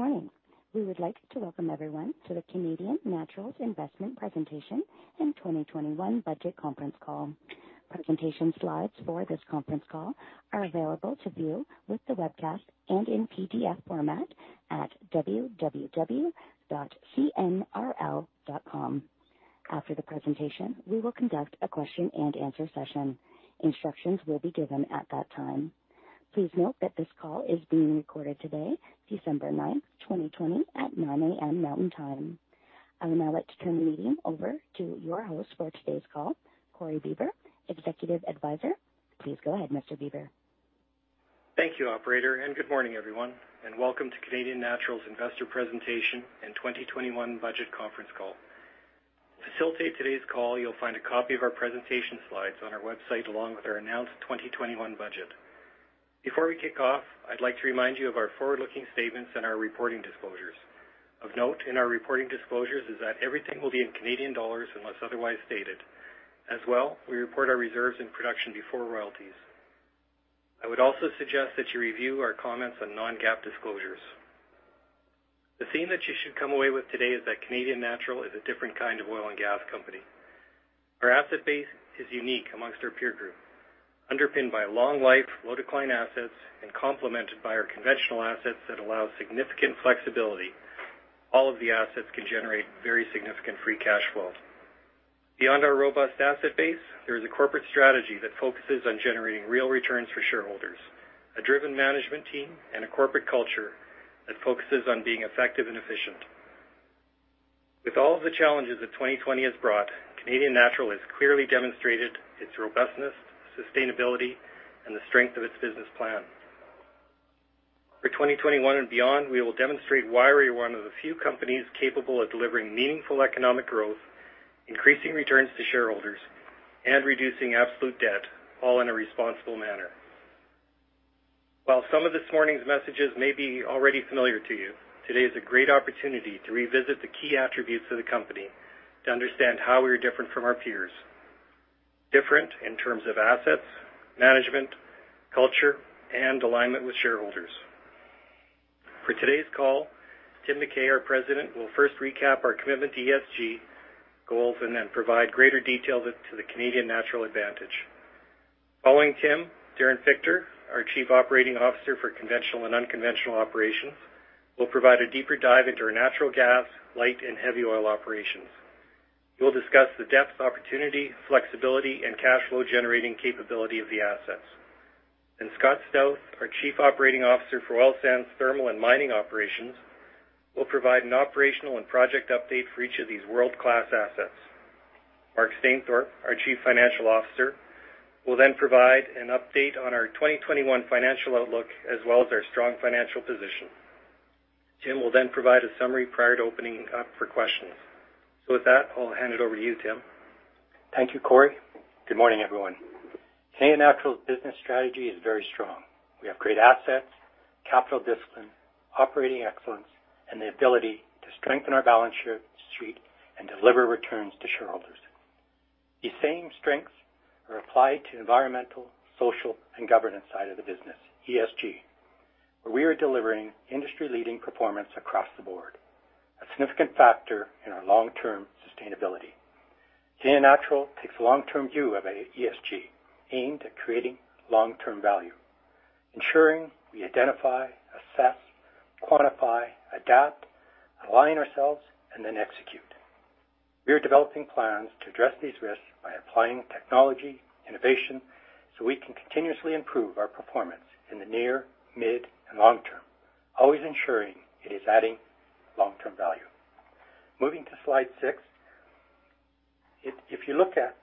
Good morning. We would like to welcome everyone to the Canadian Natural Investment Presentation and 2021 Budget Conference Call. Presentation slides for this conference call are available to view with the webcast and in PDF format at www.cnrl.com. After the presentation, we will conduct a question and answer session. Instructions will be given at that time. Please note that this call is being recorded today, December 9th, 2020, at 9:00 A.M. Mountain Time. I would now like to turn the meeting over to your host for today's call, Corey Bieber, Executive Advisor. Please go ahead, Mr. Bieber. Thank you, operator, and good morning, everyone, and welcome to Canadian Natural's Investor Presentation and 2021 Budget Conference Call. To facilitate today's call, you'll find a copy of our presentation slides on our website along with our announced 2021 budget. Before we kick off, I'd like to remind you of our forward-looking statements and our reporting disclosures. Of note in our reporting disclosures is that everything will be in CAD unless otherwise stated. As well, we report our reserves in production before royalties. I would also suggest that you review our comments on non-GAAP disclosures. The theme that you should come away with today is that Canadian Natural is a different kind of oil and gas company. Our asset base is unique amongst our peer group, underpinned by long life, low decline assets, and complemented by our conventional assets that allow significant flexibility. All of the assets can generate very significant free cash flow. Beyond our robust asset base, there is a corporate strategy that focuses on generating real returns for shareholders, a driven management team, and a corporate culture that focuses on being effective and efficient. With all of the challenges that 2020 has brought, Canadian Natural has clearly demonstrated its robustness, sustainability, and the strength of its business plan. For 2021 and beyond, we will demonstrate why we are one of the few companies capable of delivering meaningful economic growth, increasing returns to shareholders, and reducing absolute debt, all in a responsible manner. While some of this morning's messages may be already familiar to you, today is a great opportunity to revisit the key attributes of the company to understand how we are different from our peers, different in terms of assets, management, culture, and alignment with shareholders. For today's call, Tim McKay, our President, will first recap our commitment to ESG goals and then provide greater detail to the Canadian Natural advantage. Following Tim, Darren Fichter, our Chief Operating Officer for Conventional and Unconventional Operations, will provide a deeper dive into our natural gas, light, and heavy oil operations. He will discuss the depth opportunity, flexibility, and cash flow-generating capability of the assets. Scott Stauth, our Chief Operating Officer for Oil Sands, Thermal, and Mining Operations, will provide an operational and project update for each of these world-class assets. Mark Stainthorpe, our Chief Financial Officer, will then provide an update on our 2021 financial outlook as well as our strong financial position. Tim will then provide a summary prior to opening up for questions. With that, I'll hand it over to you, Tim. Thank you, Corey. Good morning, everyone. Canadian Natural's business strategy is very strong. We have great assets, capital discipline, operating excellence, and the ability to strengthen our balance sheet and deliver returns to shareholders. These same strengths are applied to environmental, social, and governance side of the business, ESG, where we are delivering industry-leading performance across the board, a significant factor in our long-term sustainability. Canadian Natural takes a long-term view of ESG aimed at creating long-term value, ensuring we identify, assess, quantify, adapt, align ourselves, and then execute. We are developing plans to address these risks by applying technology, innovation, so we can continuously improve our performance in the near, mid, and long term, always ensuring it is adding long-term value. Moving to slide six. If you look at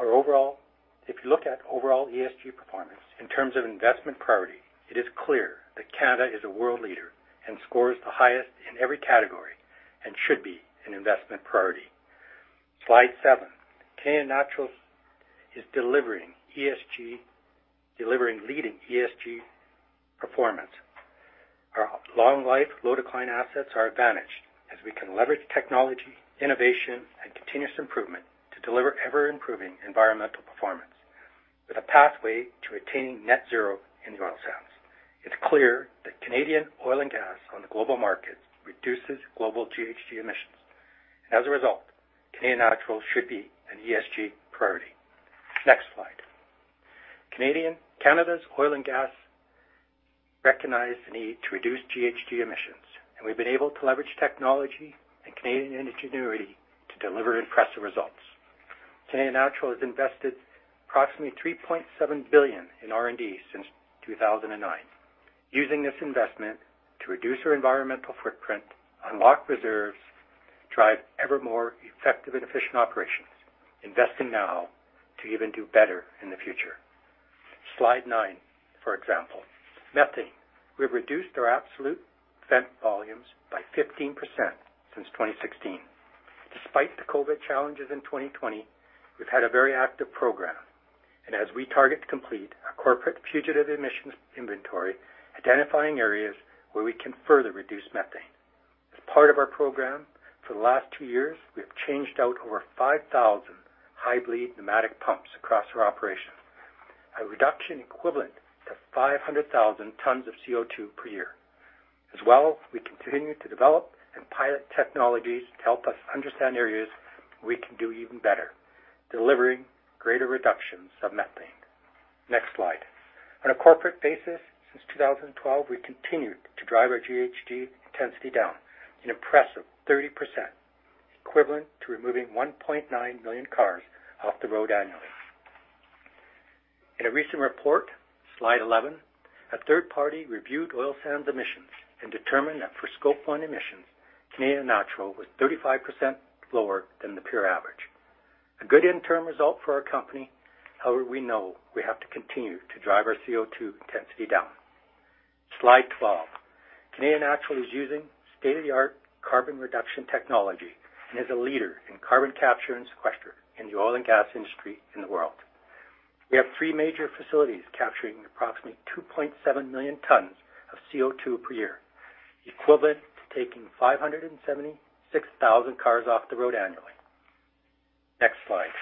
overall ESG performance in terms of investment priority, it is clear that Canada is a world leader and scores the highest in every category and should be an investment priority. Slide seven. Canadian Natural is delivering leading ESG performance. Our long life, low decline assets are advantaged as we can leverage technology, innovation, and continuous improvement to deliver ever-improving environmental performance with a pathway to attaining net zero in oil sands. It's clear that Canadian oil and gas on the global market reduces global GHG emissions. As a result, Canadian Natural should be an ESG priority. Next slide. Canada's oil and gas recognize the need to reduce GHG emissions, and we've been able to leverage technology and Canadian ingenuity to deliver impressive results. Canadian Natural has invested approximately 3.7 billion in R&D since 2009, using this investment to reduce our environmental footprint, unlock reserves, drive ever more effective and efficient operations, investing now to even do better in the future. Slide nine, for example, methane. We've reduced our absolute vent volumes by 15% since 2016. Despite the COVID challenges in 2020, we've had a very active program. As we target to complete our corporate fugitive emissions inventory, identifying areas where we can further reduce methane. Part of our program for the last two years, we have changed out over 5,000 high bleed pneumatic pumps across our operations, a reduction equivalent to 500,000 tons of CO2 per year. As well, we continue to develop and pilot technologies to help us understand areas we can do even better, delivering greater reductions of methane. Next slide. On a corporate basis since 2012, we continued to drive our GHG intensity down an impressive 30%, equivalent to removing 1.9 million cars off the road annually. In a recent report, slide 11, a third party reviewed oil sands emissions and determined that for Scope one emissions, Canadian Natural was 35% lower than the peer average. A good interim result for our company. We know we have to continue to drive our CO2 intensity down. Slide 12. Canadian Natural is using state-of-the-art carbon reduction technology and is a leader in carbon capture and sequestration in the oil and gas industry in the world. We have three major facilities capturing approximately 2.7 million tons of CO2 per year, equivalent to taking 576,000 cars off the road annually. Next slide.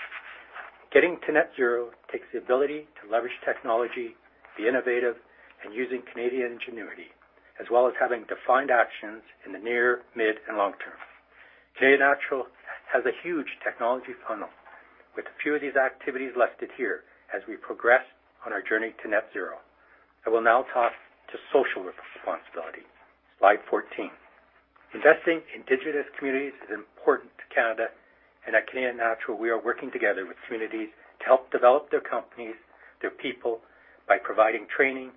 Getting to net zero takes the ability to leverage technology, be innovative, and using Canadian ingenuity, as well as having defined actions in the near, mid, and long term. Canadian Natural has a huge technology funnel with a few of these activities listed here as we progress on our journey to net zero. I will now talk to social responsibility. Slide 14. Investing in indigenous communities is important to Canada, and at Canadian Natural, we are working together with communities to help develop their companies, their people, by providing training,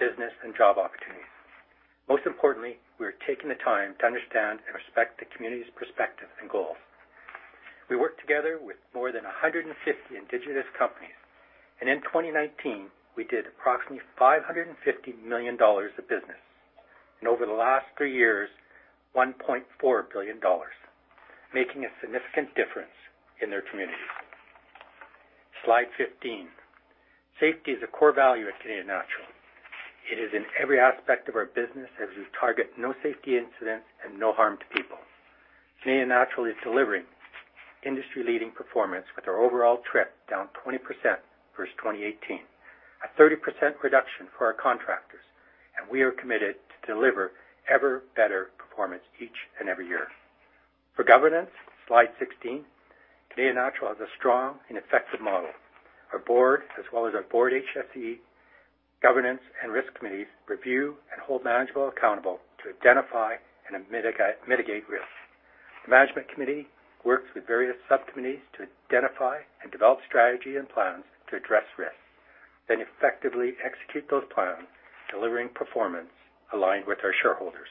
business, and job opportunities. Most importantly, we are taking the time to understand and respect the community's perspective and goals. We work together with more than 150 indigenous companies, and in 2019, we did approximately 550 million dollars of business, and over the last three years, 1.4 billion dollars, making a significant difference in their communities. Slide 15. Safety is a core value at Canadian Natural. It is in every aspect of our business as we target no safety incidents and no harm to people. Canadian Natural is delivering industry-leading performance with our overall TRIF down 20% versus 2018, a 30% reduction for our contractors, and we are committed to deliver ever-better performance each and every year. For governance, slide 16, Canadian Natural has a strong and effective model. Our board, as well as our board HSE governance and risk committees review and hold management accountable to identify and mitigate risks. The management committee works with various subcommittees to identify and develop strategy and plans to address risks, then effectively execute those plans, delivering performance aligned with our shareholders.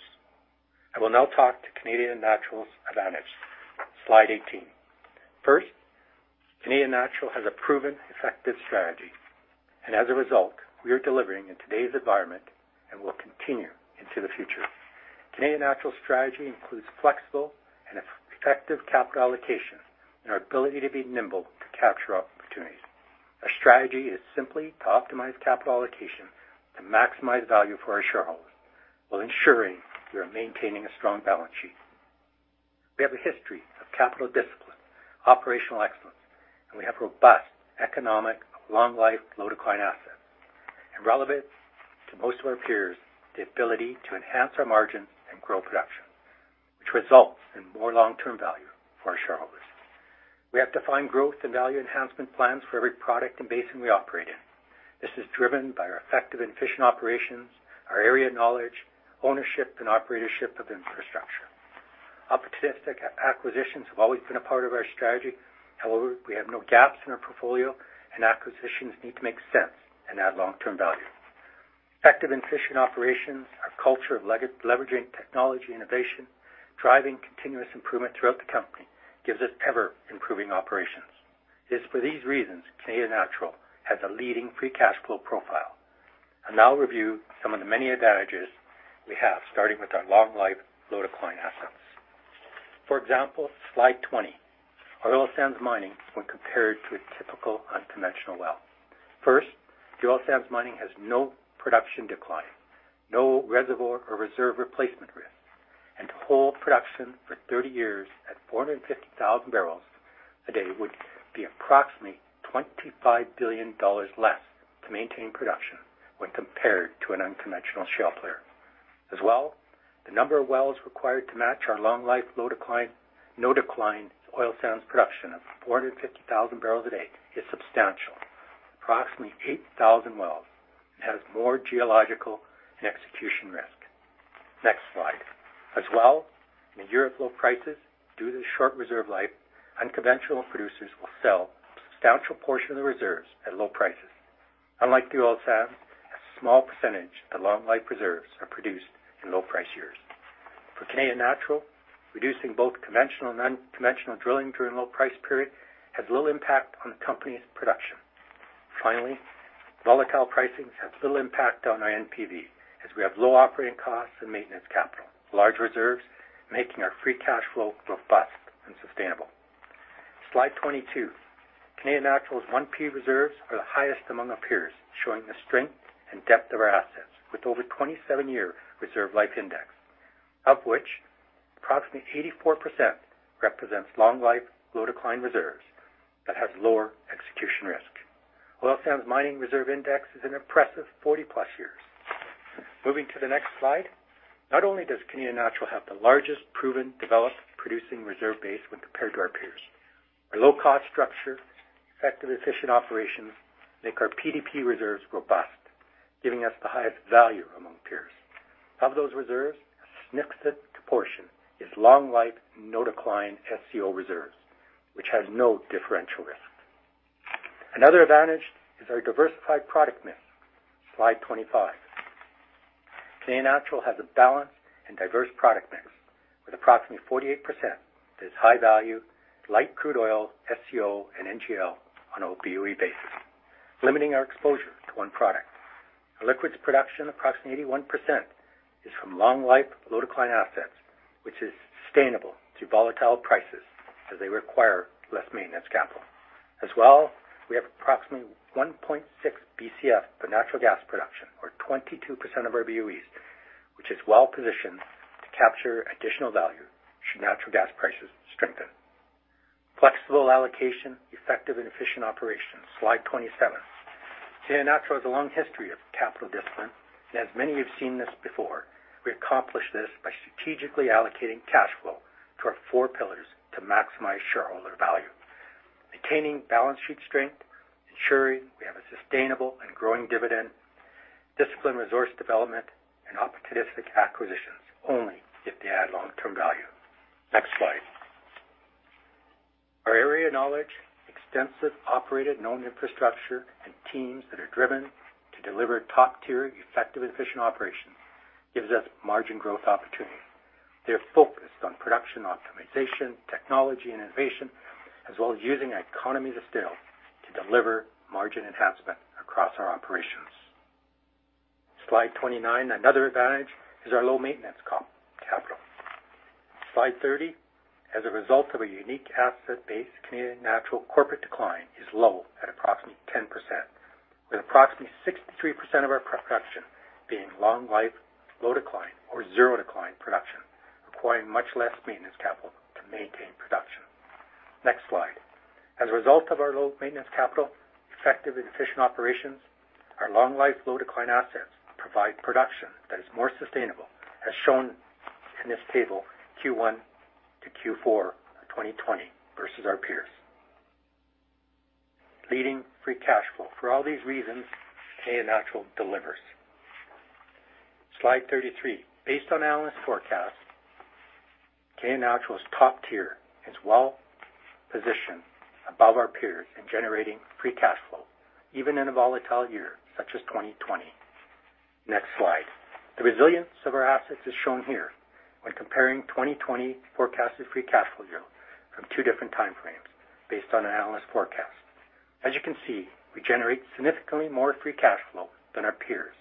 I will now talk to Canadian Natural's advantage. Slide 18. First, Canadian Natural has a proven, effective strategy, and as a result, we are delivering in today's environment and will continue into the future. Canadian Natural strategy includes flexible and effective capital allocation and our ability to be nimble to capture opportunities. Our strategy is simply to optimize capital allocation to maximize value for our shareholders while ensuring we are maintaining a strong balance sheet. We have a history of capital discipline, operational excellence, and we have robust economic long-life low-decline assets, and relevant to most of our peers, the ability to enhance our margins and grow production, which results in more long-term value for our shareholders. We have defined growth and value enhancement plans for every product and basin we operate in. This is driven by our effective and efficient operations, our area knowledge, ownership, and operatorship of infrastructure. Opportunistic acquisitions have always been a part of our strategy. We have no gaps in our portfolio, and acquisitions need to make sense and add long-term value. Effective and efficient operations, our culture of leveraging technology innovation, driving continuous improvement throughout the company gives us ever-improving operations. It is for these reasons Canadian Natural has a leading free cash flow profile. I'll now review some of the many advantages we have, starting with our long-life, low-decline assets. For example, slide 20, our oil sands mining when compared to a typical unconventional well. First, the oil sands mining has no production decline, no reservoir or reserve replacement risk, and to hold production for 30 years at 450,000 bbl/d would be approximately 25 billion dollars less to maintain production when compared to an unconventional shale player. The number of wells required to match our long-life, no decline oil sands production of 450,000 bbl/d is substantial. Approximately 8,000 wells, and has more geological and execution risk. Next slide. In a year of low prices, due to the short reserve life, unconventional producers will sell a substantial portion of the reserves at low prices. Unlike the oil sands, a small percentage of long-life reserves are produced in low-price years. For Canadian Natural, reducing both conventional and unconventional drilling during low-price period has little impact on the company's production. Finally, volatile pricings have little impact on our NPV, as we have low operating costs and maintenance capital, large reserves, making our free cash flow robust and sustainable. Slide 22. Canadian Natural's 1P reserves are the highest among our peers, showing the strength and depth of our assets, with over 27-year reserve life index, of which approximately 84% represents long life, low decline reserves that have lower execution risk. Oil sands mining reserve index is an impressive 40-plus years. Moving to the next slide. Not only does Canadian Natural have the largest proven developed producing reserve base when compared to our peers, our low-cost structure, effective, efficient operations make our PDP reserves robust, giving us the highest value among peers. Of those reserves, a significant portion is long life, no decline SCO reserves, which has no differential risk. Another advantage is our diversified product mix. Slide 25. Canadian Natural has a balanced and diverse product mix with approximately 48% that is high value, light crude oil, SCO, and NGL on a BOE basis, limiting our exposure to one product. Our liquids production, approximately 81%, is from long life, low decline assets, which is sustainable through volatile prices, as they require less maintenance capital. As well, we have approximately 1.6 BCF of natural gas production, or 22% of our BOEs, which is well-positioned to capture additional value should natural gas prices strengthen. Flexible allocation, effective and efficient operations. Slide 27. Canadian Natural has a long history of capital discipline, and as many have seen this before, we accomplish this by strategically allocating cash flow to our four pillars to maximize shareholder value. Maintaining balance sheet strength, ensuring we have a sustainable and growing dividend, disciplined resource development, and opportunistic acquisitions only if they add long-term value. Next slide. Our area knowledge, extensive operated and owned infrastructure, and teams that are driven to deliver top-tier, effective, efficient operations gives us margin growth opportunity. They're focused on production optimization, technology, and innovation, as well as using economies of scale to deliver margin enhancement across our operations. Slide 29. Another advantage is our low maintenance capital. Slide 30. As a result of a unique asset base, Canadian Natural corporate decline is low at approximately 10%, with approximately 63% of our production being long life, low decline or zero decline production, requiring much less maintenance capital to maintain production. Next slide. As a result of our low maintenance capital, effective and efficient operations, our long life, low decline assets provide production that is more sustainable, as shown in this table, Q1 to Q4 of 2020 versus our peers. Leading free cash flow. For all these reasons, Canadian Natural delivers. Slide 33. Based on analyst forecasts, Canadian Natural is top tier and is well-positioned above our peers in generating free cash flow, even in a volatile year such as 2020. Next slide. The resilience of our assets is shown here when comparing 2020 forecasted free cash flow yield from two different time frames based on analyst forecasts. As you can see, we generate significantly more free cash flow than our peers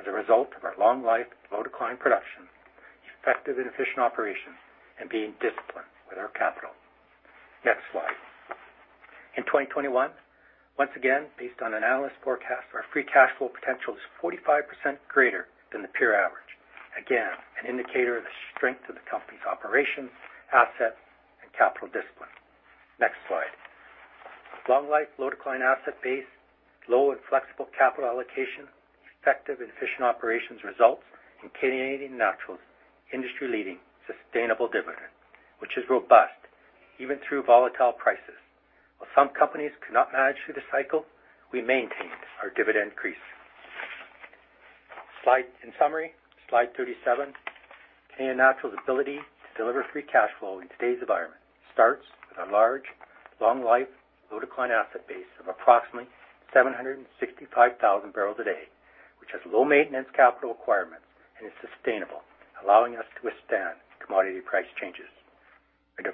as a result of our long life, low decline production, effective and efficient operations, and being disciplined with our capital. Next slide. In 2021, once again, based on analyst forecasts, our free cash flow potential is 45% greater than the peer average. Again, an indicator of the strength of the company's operations, assets, and capital discipline. Next slide. Long life, low decline asset base, low and flexible capital allocation, effective and efficient operations results in Canadian Natural's industry-leading sustainable dividend, which is robust even through volatile prices. While some companies could not manage through the cycle, we maintained our dividend increase. In summary, slide 37, Canadian Natural's ability to deliver free cash flow in today's environment starts with a large, long life, low decline asset base of approximately 765,000 bbl/d, which has low maintenance capital requirements and is sustainable, allowing us to withstand commodity price changes. Our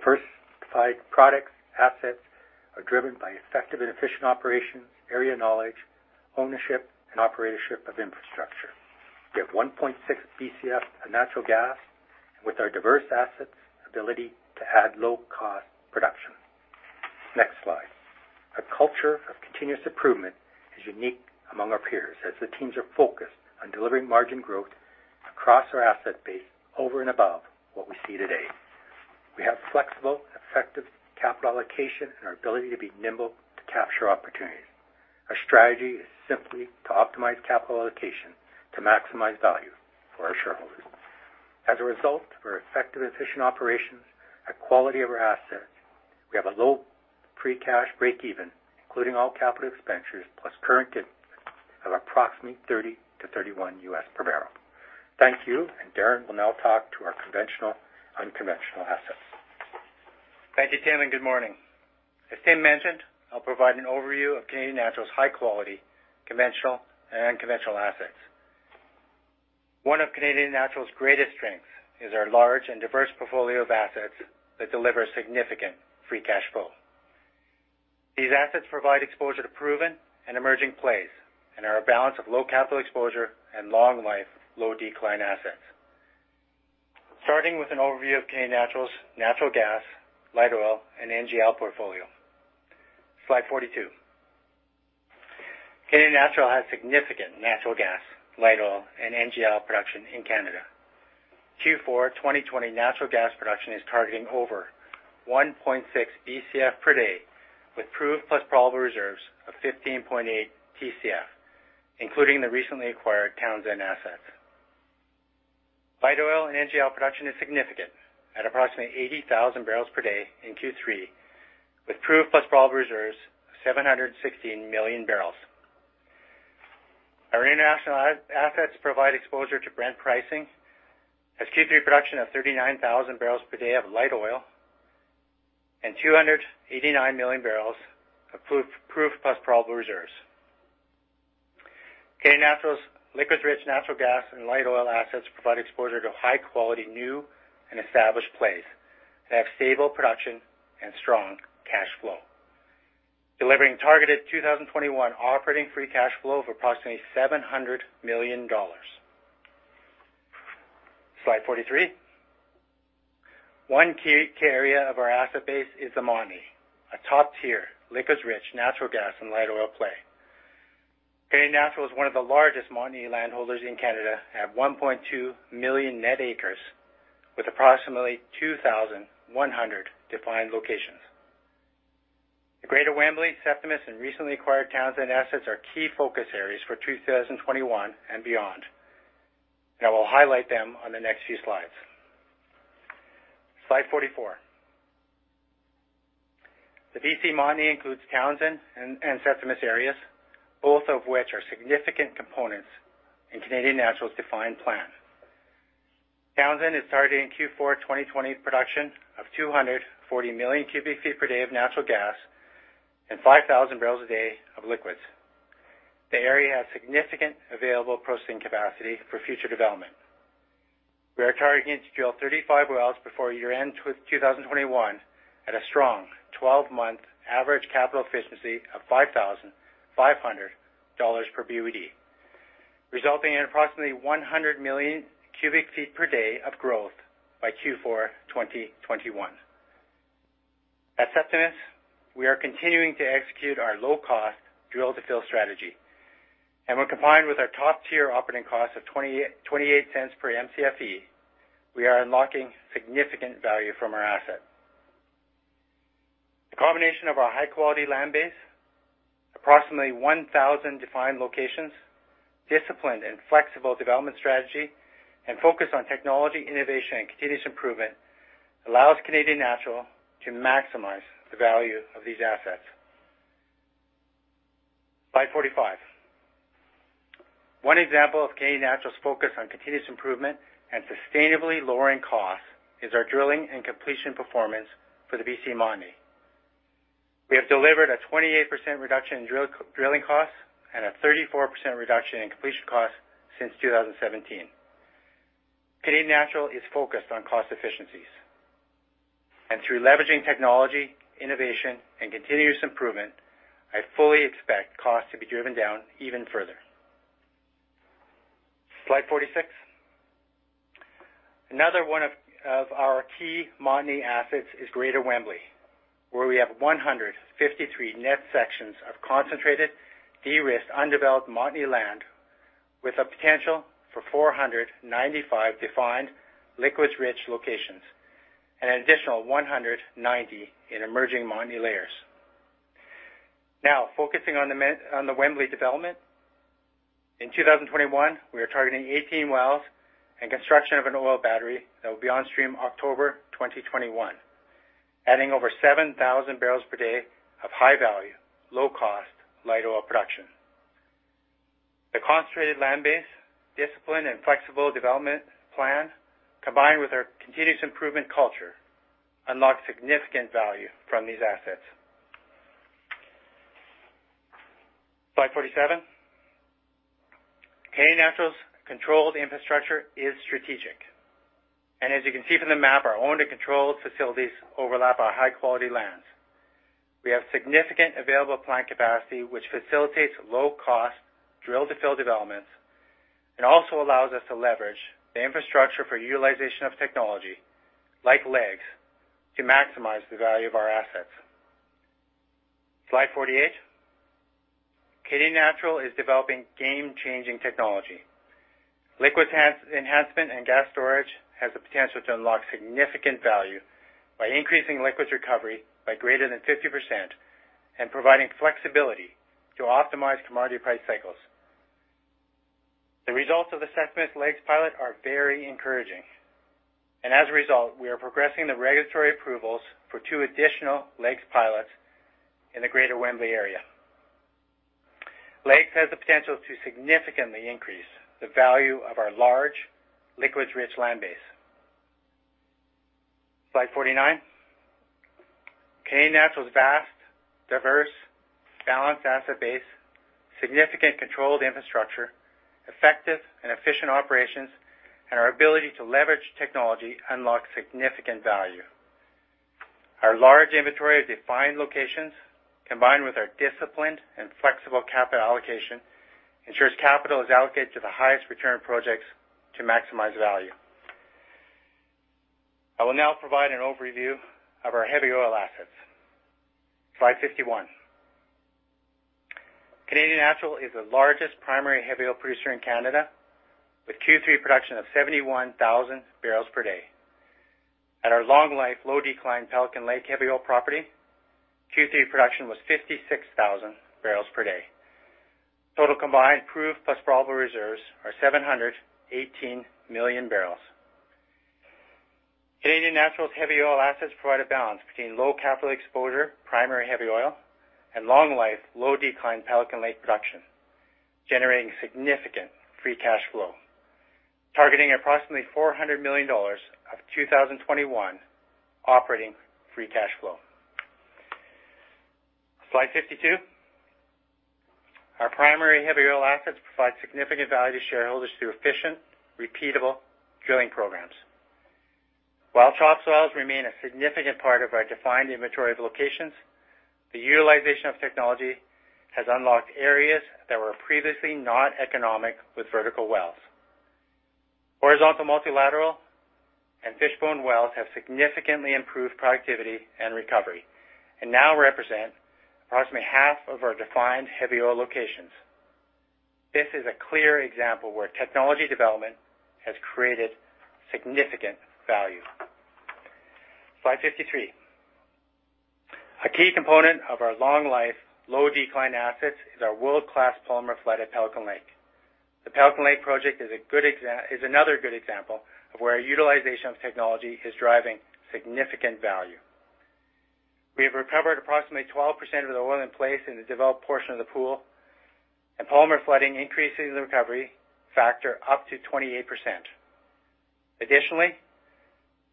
diversified products and assets are driven by effective and efficient operations, area knowledge, ownership, and operatorship of infrastructure. We have 1.6 BCF of natural gas, and with our diverse assets, ability to add low-cost production. Next slide. Our culture of continuous improvement is unique among our peers, as the teams are focused on delivering margin growth across our asset base over and above what we see today. We have flexible, effective capital allocation and our ability to be nimble to capture opportunities. Our strategy is simply to optimize capital allocation to maximize value for our shareholders. As a result of our effective, efficient operations, our quality of our assets, we have a low free cash break even, including all capital expenditures plus current dividends, of approximately $30-$31 per barrel. Thank you. Darren will now talk to our conventional unconventional assets. Thank you, Tim. Good morning. As Tim mentioned, I'll provide an overview of Canadian Natural's high-quality conventional and unconventional assets. One of Canadian Natural's greatest strengths is our large and diverse portfolio of assets that deliver significant free cash flow. These assets provide exposure to proven and emerging plays and are a balance of low capital exposure and long life, low decline assets. Starting with an overview of Canadian Natural's natural gas, light oil, and NGL portfolio. Slide 42. Canadian Natural has significant natural gas, light oil, and NGL production in Canada. Q4 2020 natural gas production is targeting over 1.6 Bcf per day with proved plus probable reserves of 15.8 Tcf, including the recently acquired Townsend assets. Light oil and NGL production is significant at approximately 80,000 bbl/d in Q3, with proved plus probable reserves of 716 MMbbl. Our international assets provide exposure to Brent pricing, has Q3 production of 39,000 bbl/d of light oil and 289 MMbbl of proved plus probable reserves. Canadian Natural's liquids rich natural gas and light oil assets provide exposure to high-quality new and established plays that have stable production and strong cash flow, delivering targeted 2021 operating free cash flow of approximately 700 million dollars. Slide 43. One key area of our asset base is the Montney, a top-tier liquids rich natural gas and light oil play. Canadian Natural is one of the largest Montney landholders in Canada at 1.2 million net acres with approximately 2,100 defined locations. The Greater Wembley, Septimus, and recently acquired Townsend assets are key focus areas for 2021 and beyond. I will highlight them on the next few slides. Slide 44. The BC Montney includes Townsend and Septimus areas, both of which are significant components in Canadian Natural's defined plan. Townsend is targeting Q4 2020 production of 240 million cubic feet per day of natural gas and 5,000 bbl/d of liquids. The area has significant available processing capacity for future development. We are targeting to drill 35 wells before year-end 2021 at a strong 12-month average capital efficiency of 5,500 dollars per BOE, resulting in approximately 100 million cubic feet per day of growth by Q4 2021. When combined with our top-tier operating cost of 0.28 per Mcfe, we are unlocking significant value from our asset at Septimus. The combination of our high-quality land base, approximately 1,000 defined locations, disciplined and flexible development strategy, and focus on technology innovation and continuous improvement allows Canadian Natural to maximize the value of these assets. Slide 45. One example of Canadian Natural's focus on continuous improvement and sustainably lowering costs is our drilling and completion performance for the BC Montney. We have delivered a 28% reduction in drilling costs and a 34% reduction in completion costs since 2017. Canadian Natural is focused on cost efficiencies, and through leveraging technology, innovation, and continuous improvement, I fully expect costs to be driven down even further. Slide 46. Another one of our key Montney assets is Greater Wembley, where we have 153 net sections of concentrated, de-risked, undeveloped Montney land with a potential for 495 defined liquids rich locations and an additional 190 in emerging Montney layers. Now focusing on the Wembley development. In 2021, we are targeting 18 wells and construction of an oil battery that will be on stream October 2021, adding over 7,000 bbl/d of high value, low cost light oil production. The concentrated land base, disciplined and flexible development plan, combined with our continuous improvement culture, unlock significant value from these assets. Slide 47. Canadian Natural's controlled infrastructure is strategic, and as you can see from the map, our owned and controlled facilities overlap our high-quality lands. We have significant available plant capacity, which facilitates low cost drill to fill developments and also allows us to leverage the infrastructure for utilization of technology like LEGS to maximize the value of our assets. Slide 48. Canadian Natural is developing game-changing technology. Liquids enhancement and gas storage has the potential to unlock significant value by increasing liquids recovery by greater than 50% and providing flexibility to optimize commodity price cycles. The results of the Septimus LEGS pilot are very encouraging, and as a result, we are progressing the regulatory approvals for two additional LEGS pilots in the Greater Wembley area. LEGS has the potential to significantly increase the value of our large liquids rich land base. Slide 49. Canadian Natural's vast, diverse, balanced asset base, significant controlled infrastructure, effective and efficient operations, and our ability to leverage technology unlock significant value. Our large inventory of defined locations, combined with our disciplined and flexible capital allocation, ensures capital is allocated to the highest return projects to maximize value. I will now provide an overview of our heavy oil assets. Slide 51. Canadian Natural is the largest primary heavy oil producer in Canada, with Q3 production of 71,000 bbl/d. At our long life, low decline Pelican Lake heavy oil property, Q3 production was 56,000 bbl/d. Total combined proved plus probable reserves are 718 MMbbl. Canadian Natural's heavy oil assets provide a balance between low capital exposure, primary heavy oil, and long life, low decline Pelican Lake production, generating significant free cash flow, targeting approximately 400 million dollars of 2021 operating free cash flow. Slide 52. Our primary heavy oil assets provide significant value to shareholders through efficient, repeatable drilling programs. While CHOPS wells remain a significant part of our defined inventory of locations, the utilization of technology has unlocked areas that were previously not economic with vertical wells. Horizontal multilateral and fishbone wells have significantly improved productivity and recovery and now represent approximately half of our defined heavy oil locations. This is a clear example where technology development has created significant value. Slide 53. A key component of our long life, low decline assets is our world-class polymer flood at Pelican Lake. The Pelican Lake project is another good example of where our utilization of technology is driving significant value. We have recovered approximately 12% of the oil in place in the developed portion of the pool, and polymer flooding increases the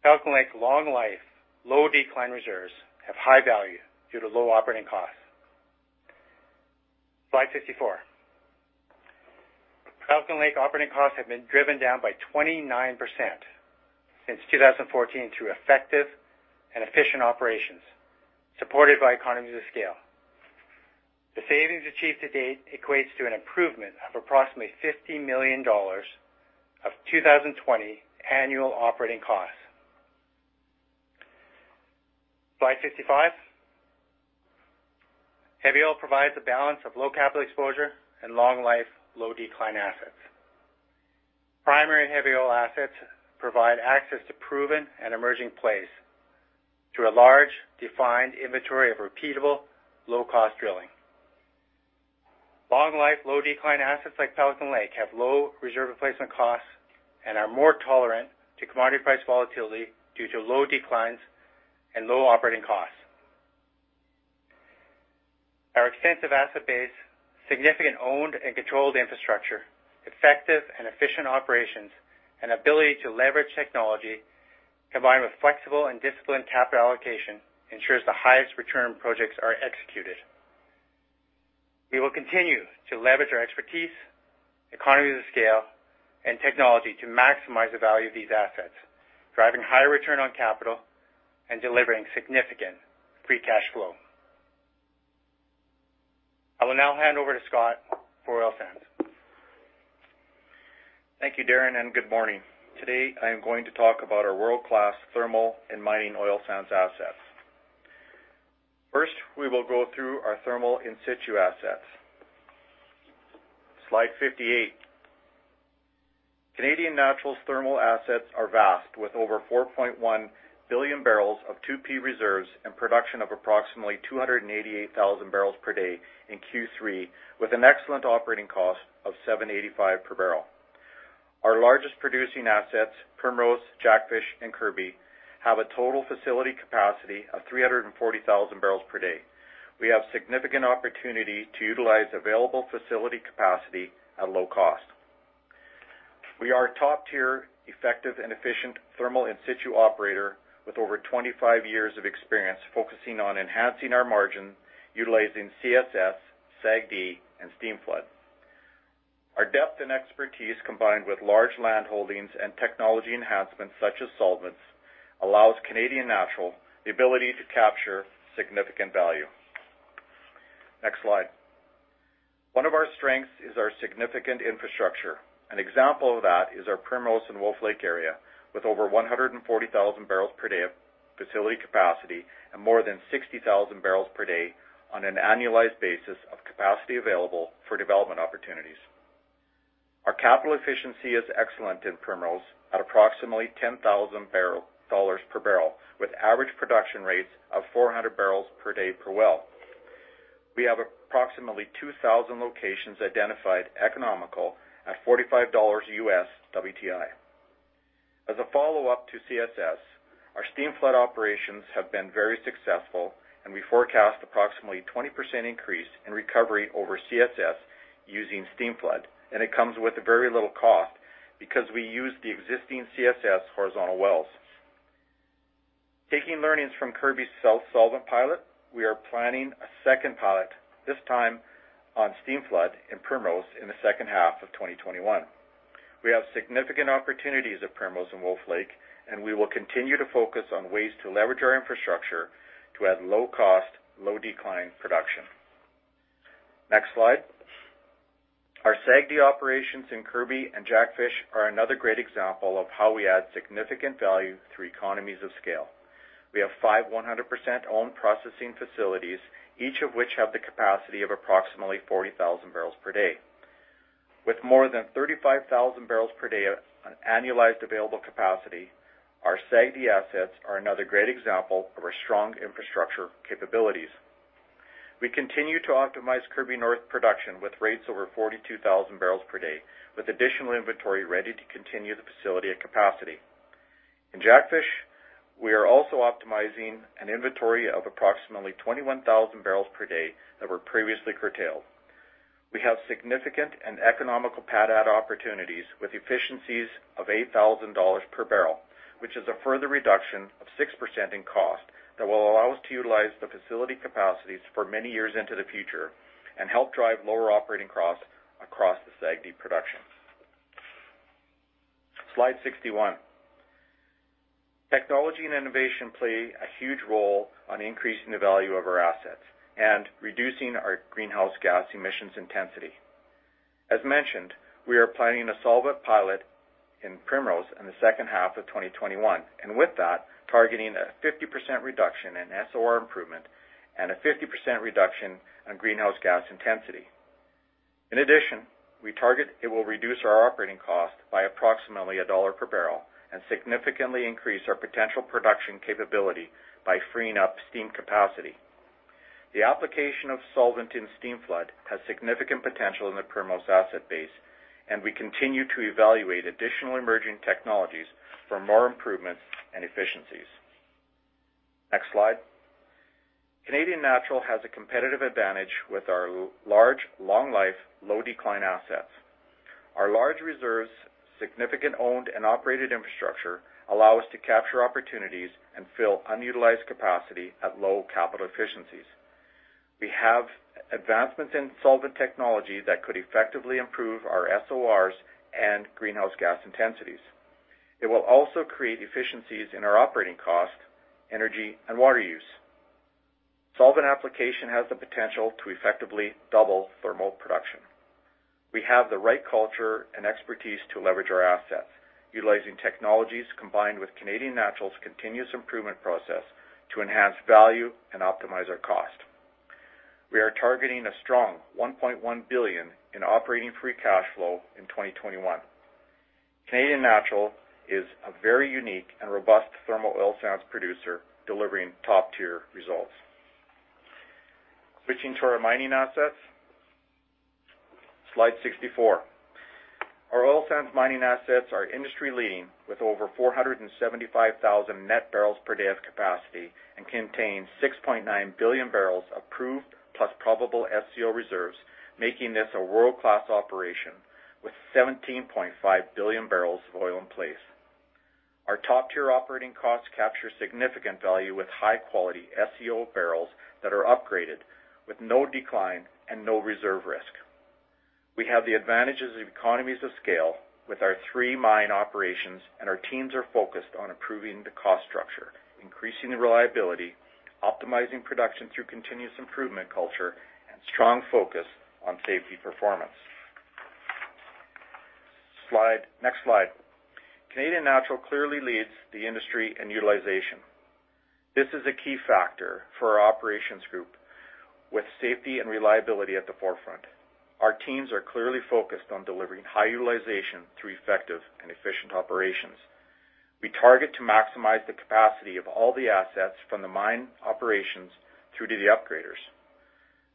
recovery factor up to 28%. Additionally, Pelican Lake long life, low decline reserves have high value due to low operating costs. Slide 54. Pelican Lake operating costs have been driven down by 29% since 2014 through effective and efficient operations, supported by economies of scale. The savings achieved to date equates to an improvement of approximately 50 million dollars of 2020 annual operating costs. Slide 55. Heavy oil provides a balance of low capital exposure and long life, low decline assets. Primary heavy oil assets provide access to proven and emerging plays through a large defined inventory of repeatable low-cost drilling. Long life, low decline assets like Pelican Lake have low reserve replacement costs and are more tolerant to commodity price volatility due to low declines and low operating costs. Our extensive asset base, significant owned and controlled infrastructure, effective and efficient operations, and ability to leverage technology, combined with flexible and disciplined capital allocation ensures the highest return projects are executed. We will continue to leverage our expertise, economies of scale, and technology to maximize the value of these assets, driving higher return on capital and delivering significant free cash flow. I will now hand over to Scott for oil sands. Thank you, Darren. Good morning. Today, I am going to talk about our world-class thermal and mining oil sands assets. First, we will go through our thermal in-situ assets. Slide 58. Canadian Natural's thermal assets are vast, with over 4.1 Bbbl of 2P reserves and production of approximately 288,000 bbl/d in Q3, with an excellent operating cost of 7.85 per barrel. Our largest producing assets, Primrose, Jackfish, and Kirby, have a total facility capacity of 340,000 bbl/d. We have significant opportunity to utilize available facility capacity at low cost. We are a top-tier, effective, and efficient thermal in-situ operator with over 25 years of experience focusing on enhancing our margin utilizing CSS, SAGD, and steam flood. Our depth and expertise, combined with large land holdings and technology enhancements such as solvents, allows Canadian Natural the ability to capture significant value. Next slide. One of our strengths is our significant infrastructure. An example of that is our Primrose and Wolf Lake area, with over 140,000 bbl/d of facility capacity and more than 60,000 bbl/d on an annualized basis of capacity available for development opportunities. Our capital efficiency is excellent in Primrose at approximately 10,000 dollars per barrel, with average production rates of 400 bbl/d per well. We have approximately 2,000 locations identified economical at $45 U.S. WTI. As a follow-up to CSS, our steam flood operations have been very successful, and we forecast approximately 20% increase in recovery over CSS using steam flood. It comes with very little cost because we use the existing CSS horizontal wells. Taking learnings from Kirby's cell solvent pilot, we are planning a second pilot, this time on steam flood in Primrose in the second half of 2021. We have significant opportunities at Primrose and Wolf Lake, and we will continue to focus on ways to leverage our infrastructure to add low cost, low decline production. Next slide. Our SAGD operations in Kirby and Jackfish are another great example of how we add significant value through economies of scale. We have five 100% owned processing facilities, each of which have the capacity of approximately 40,000 bbl/d. With more than 35,000 bbl/d on annualized available capacity, our SAGD assets are another great example of our strong infrastructure capabilities. We continue to optimize Kirby North production with rates over 42,000 bbl/d, with additional inventory ready to continue the facility at capacity. In Jackfish, we are also optimizing an inventory of approximately 21,000 bbl/d that were previously curtailed. We have significant and economical pad add opportunities with efficiencies of 8,000 dollars per barrel, which is a further reduction of 6% in cost that will allow us to utilize the facility capacities for many years into the future and help drive lower operating costs across the SAGD production. Slide 61. Technology and innovation play a huge role on increasing the value of our assets and reducing our greenhouse gas emissions intensity. As mentioned, we are planning a solvent pilot in Primrose in the second half of 2021, and with that, targeting a 50% reduction in SOR improvement and a 50% reduction in greenhouse gas intensity. In addition, we target it will reduce our operating cost by approximately CAD 1 per barrel and significantly increase our potential production capability by freeing up steam capacity. The application of solvent in steam flood has significant potential in the Primrose asset base. We continue to evaluate additional emerging technologies for more improvements and efficiencies. Next slide. Canadian Natural has a competitive advantage with our large, long life, low decline assets. Our large reserves, significant owned and operated infrastructure, allow us to capture opportunities and fill unutilized capacity at low capital efficiencies. We have advancements in solvent technology that could effectively improve our SORs and greenhouse gas intensities. It will also create efficiencies in our operating cost, energy, and water use. Solvent application has the potential to effectively double thermal production. We have the right culture and expertise to leverage our assets, utilizing technologies combined with Canadian Natural's continuous improvement process to enhance value and optimize our cost. We are targeting a strong 1.1 billion in operating free cash flow in 2021. Canadian Natural is a very unique and robust thermal oil sands producer delivering top-tier results. Switching to our mining assets. Slide 64. Our oil sands mining assets are industry-leading with over 475,000 bbl/d net of capacity and contain 6.9 Bbbl of proved plus probable SCO reserves, making this a world-class operation with 17.5 Bbbl of oil in place. Our top-tier operating costs capture significant value with high-quality SCO barrels that are upgraded with no decline and no reserve risk. We have the advantages of economies of scale with our three mine operations, and our teams are focused on improving the cost structure, increasing the reliability, optimizing production through continuous improvement culture, and strong focus on safety performance. Next slide. Canadian Natural clearly leads the industry in utilization. This is a key factor for our operations group, with safety and reliability at the forefront. Our teams are clearly focused on delivering high utilization through effective and efficient operations. We target to maximize the capacity of all the assets from the mine operations through to the upgraders.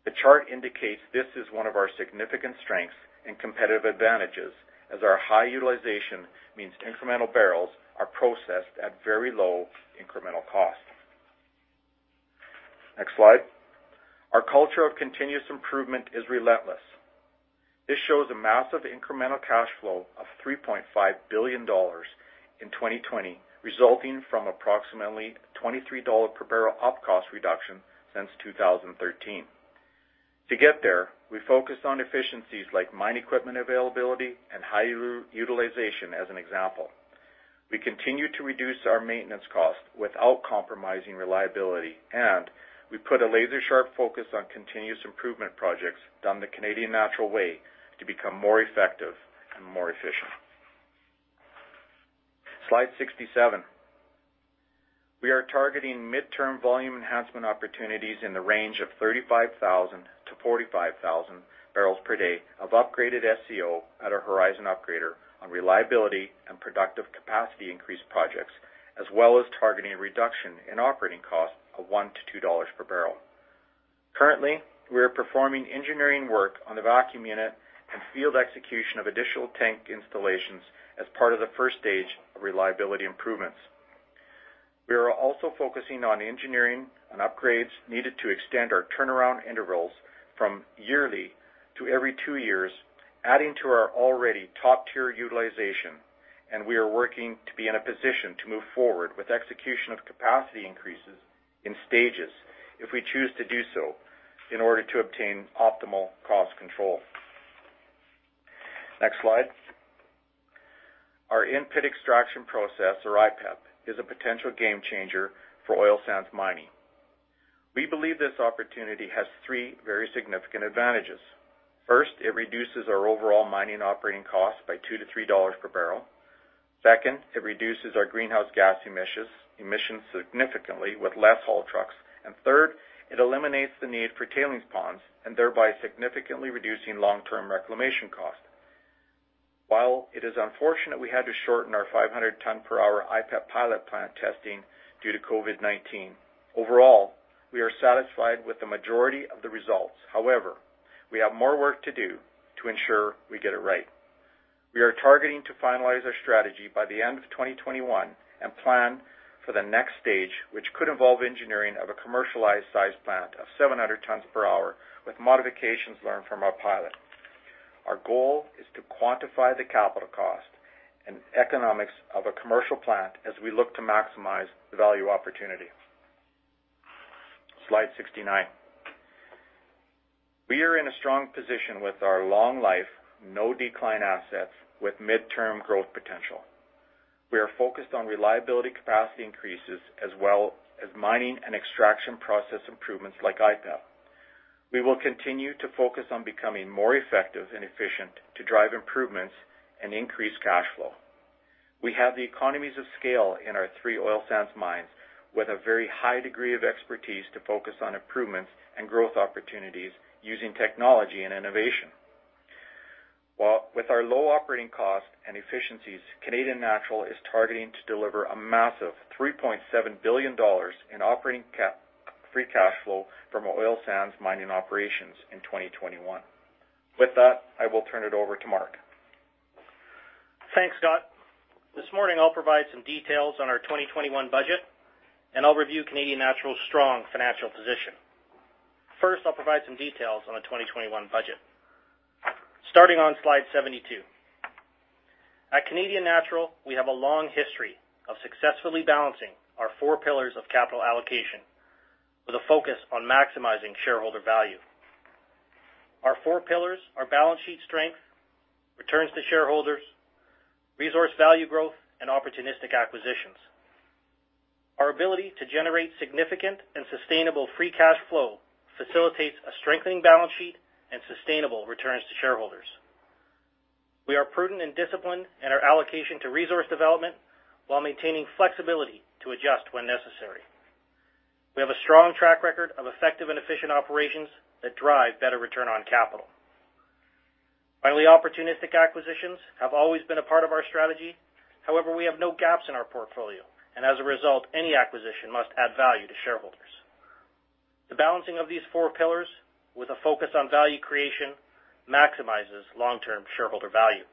The chart indicates this is one of our significant strengths and competitive advantages, as our high utilization means incremental barrels are processed at very low incremental cost. Next slide. Our culture of continuous improvement is relentless. This shows a massive incremental cash flow of 3.5 billion dollars in 2020, resulting from approximately 23 dollar per barrel op cost reduction since 2013. To get there, we focused on efficiencies like mine equipment availability and high utilization, as an example. We continue to reduce our maintenance cost without compromising reliability, and we put a laser-sharp focus on continuous improvement projects done the Canadian Natural way to become more effective and more efficient. Slide 67. We are targeting midterm volume enhancement opportunities in the range of 35,000 bbl/d-45,000 bbl/d of upgraded SCO at our Horizon upgrader on reliability and productive capacity increase projects, as well as targeting a reduction in operating cost of 1-2 dollars per barrel. Currently, we are performing engineering work on the vacuum unit and field execution of additional tank installations as part of the first stage of reliability improvements. We are also focusing on engineering and upgrades needed to extend our turnaround intervals from yearly to every two years, adding to our already top-tier utilization. We are working to be in a position to move forward with execution of capacity increases in stages if we choose to do so in order to obtain optimal cost control. Next slide. Our In-Pit Extraction Process, or IPEP, is a potential game changer for oil sands mining. We believe this opportunity has three very significant advantages. First, it reduces our overall mining operating costs by 2-3 dollars per barrel. Second, it reduces our greenhouse gas emissions significantly with less haul trucks. Third, it eliminates the need for tailings ponds and thereby significantly reducing long-term reclamation costs. While it is unfortunate we had to shorten our 500 ton per hour IPEP pilot plant testing due to COVID-19, overall, we are satisfied with the majority of the results. However, we have more work to do to ensure we get it right. We are targeting to finalize our strategy by the end of 2021 and plan for the next stage, which could involve engineering of a commercialized size plant of 700 tons per hour with modifications learned from our pilot. Our goal is to quantify the capital cost and economics of a commercial plant as we look to maximize the value opportunity. Slide 69. We are in a strong position with our long life, no decline assets with midterm growth potential. We are focused on reliability capacity increases as well as mining and extraction process improvements like IPEP. We will continue to focus on becoming more effective and efficient to drive improvements and increase cash flow. We have the economies of scale in our three oil sands mines with a very high degree of expertise to focus on improvements and growth opportunities using technology and innovation. With our low operating cost and efficiencies, Canadian Natural is targeting to deliver a massive 3.7 billion dollars in operating free cash flow from oil sands mining operations in 2021. With that, I will turn it over to Mark. Thanks, Scott. This morning I'll provide some details on our 2021 budget, and I'll review Canadian Natural's strong financial position. First, I'll provide some details on the 2021 budget. Starting on Slide 72. At Canadian Natural, we have a long history of successfully balancing our four pillars of capital allocation with a focus on maximizing shareholder value. Our four pillars are balance sheet strength, returns to shareholders, resource value growth, and opportunistic acquisitions. Our ability to generate significant and sustainable free cash flow facilitates a strengthening balance sheet and sustainable returns to shareholders. We are prudent and disciplined in our allocation to resource development while maintaining flexibility to adjust when necessary. We have a strong track record of effective and efficient operations that drive better return on capital. Finally, opportunistic acquisitions have always been a part of our strategy. However, we have no gaps in our portfolio, and as a result, any acquisition must add value to shareholders. The balancing of these four pillars with a focus on value creation maximizes long-term shareholder value.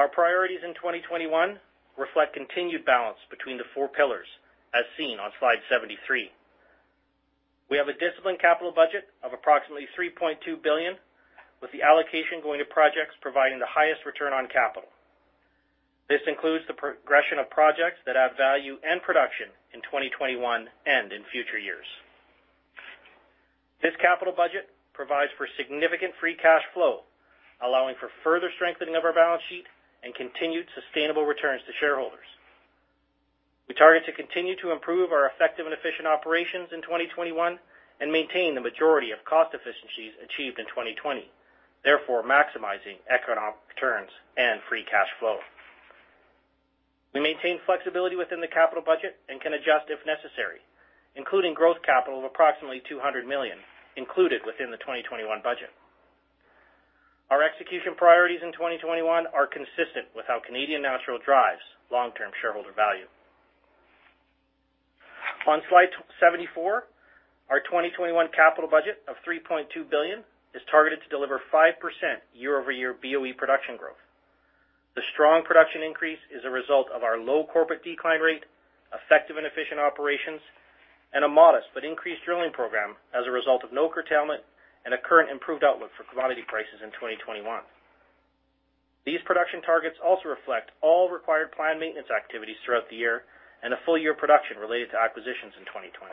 Our priorities in 2021 reflect continued balance between the four pillars, as seen on Slide 73. We have a disciplined capital budget of approximately 3.2 billion, with the allocation going to projects providing the highest return on capital. This includes the progression of projects that add value and production in 2021 and in future years. This capital budget provides for significant free cash flow, allowing for further strengthening of our balance sheet and continued sustainable returns to shareholders. We target to continue to improve our effective and efficient operations in 2021 and maintain the majority of cost efficiencies achieved in 2020, therefore maximizing economic returns and free cash flow. We maintain flexibility within the capital budget and can adjust if necessary, including growth capital of approximately 200 million included within the 2021 budget. Our execution priorities in 2021 are consistent with how Canadian Natural drives long-term shareholder value. On Slide 74, our 2021 capital budget of 3.2 billion is targeted to deliver 5% year-over-year BOE production growth. The strong production increase is a result of our low corporate decline rate, effective and efficient operations, and a modest but increased drilling program as a result of no curtailment and a current improved outlook for commodity prices in 2021. These production targets also reflect all required planned maintenance activities throughout the year and a full year production related to acquisitions in 2020.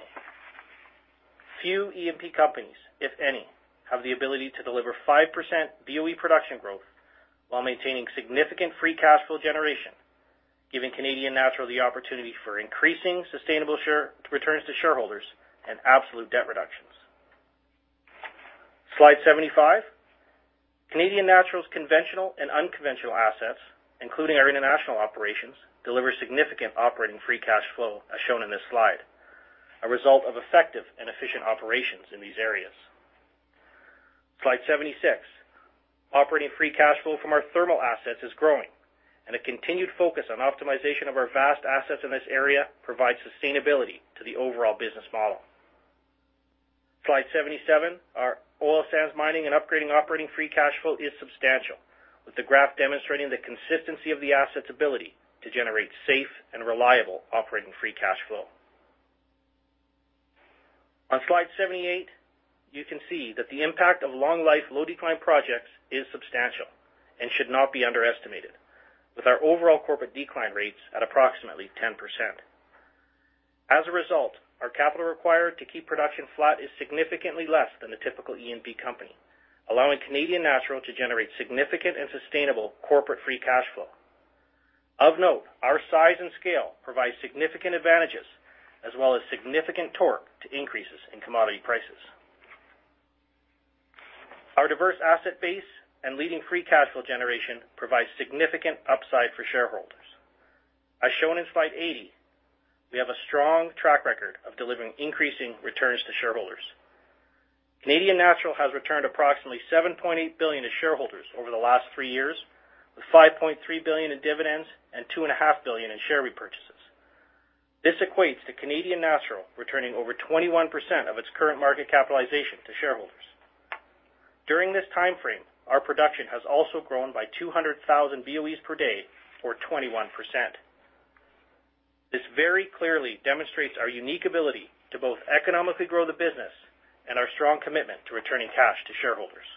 Few E&P companies, if any, have the ability to deliver 5% BOE production growth while maintaining significant free cash flow generation, giving Canadian Natural the opportunity for increasing sustainable returns to shareholders and absolute debt reductions. Slide 75. Canadian Natural's conventional and unconventional assets, including our international operations, deliver significant operating free cash flow, as shown in this slide, a result of effective and efficient operations in these areas. Slide 76. Operating free cash flow from our thermal assets is growing, and a continued focus on optimization of our vast assets in this area provides sustainability to the overall business model. Slide 77. Our oil sands mining and upgrading operating free cash flow is substantial, with the graph demonstrating the consistency of the asset's ability to generate safe and reliable operating free cash flow. On slide 78, you can see that the impact of long life, low decline projects is substantial and should not be underestimated, with our overall corporate decline rates at approximately 10%. As a result, our capital required to keep production flat is significantly less than the typical E&P company, allowing Canadian Natural to generate significant and sustainable corporate free cash flow. Of note, our size and scale provides significant advantages as well as significant torque to increases in commodity prices. Our diverse asset base and leading free cash flow generation provides significant upside for shareholders. As shown in slide 80, we have a strong track record of delivering increasing returns to shareholders. Canadian Natural has returned approximately 7.8 billion to shareholders over the last three years, with 5.3 billion in dividends and 2.5 billion in share repurchases. This equates to Canadian Natural returning over 21% of its current market capitalization to shareholders. During this time frame, our production has also grown by 200,000 BOE/d or 21%. This very clearly demonstrates our unique ability to both economically grow the business and our strong commitment to returning cash to shareholders.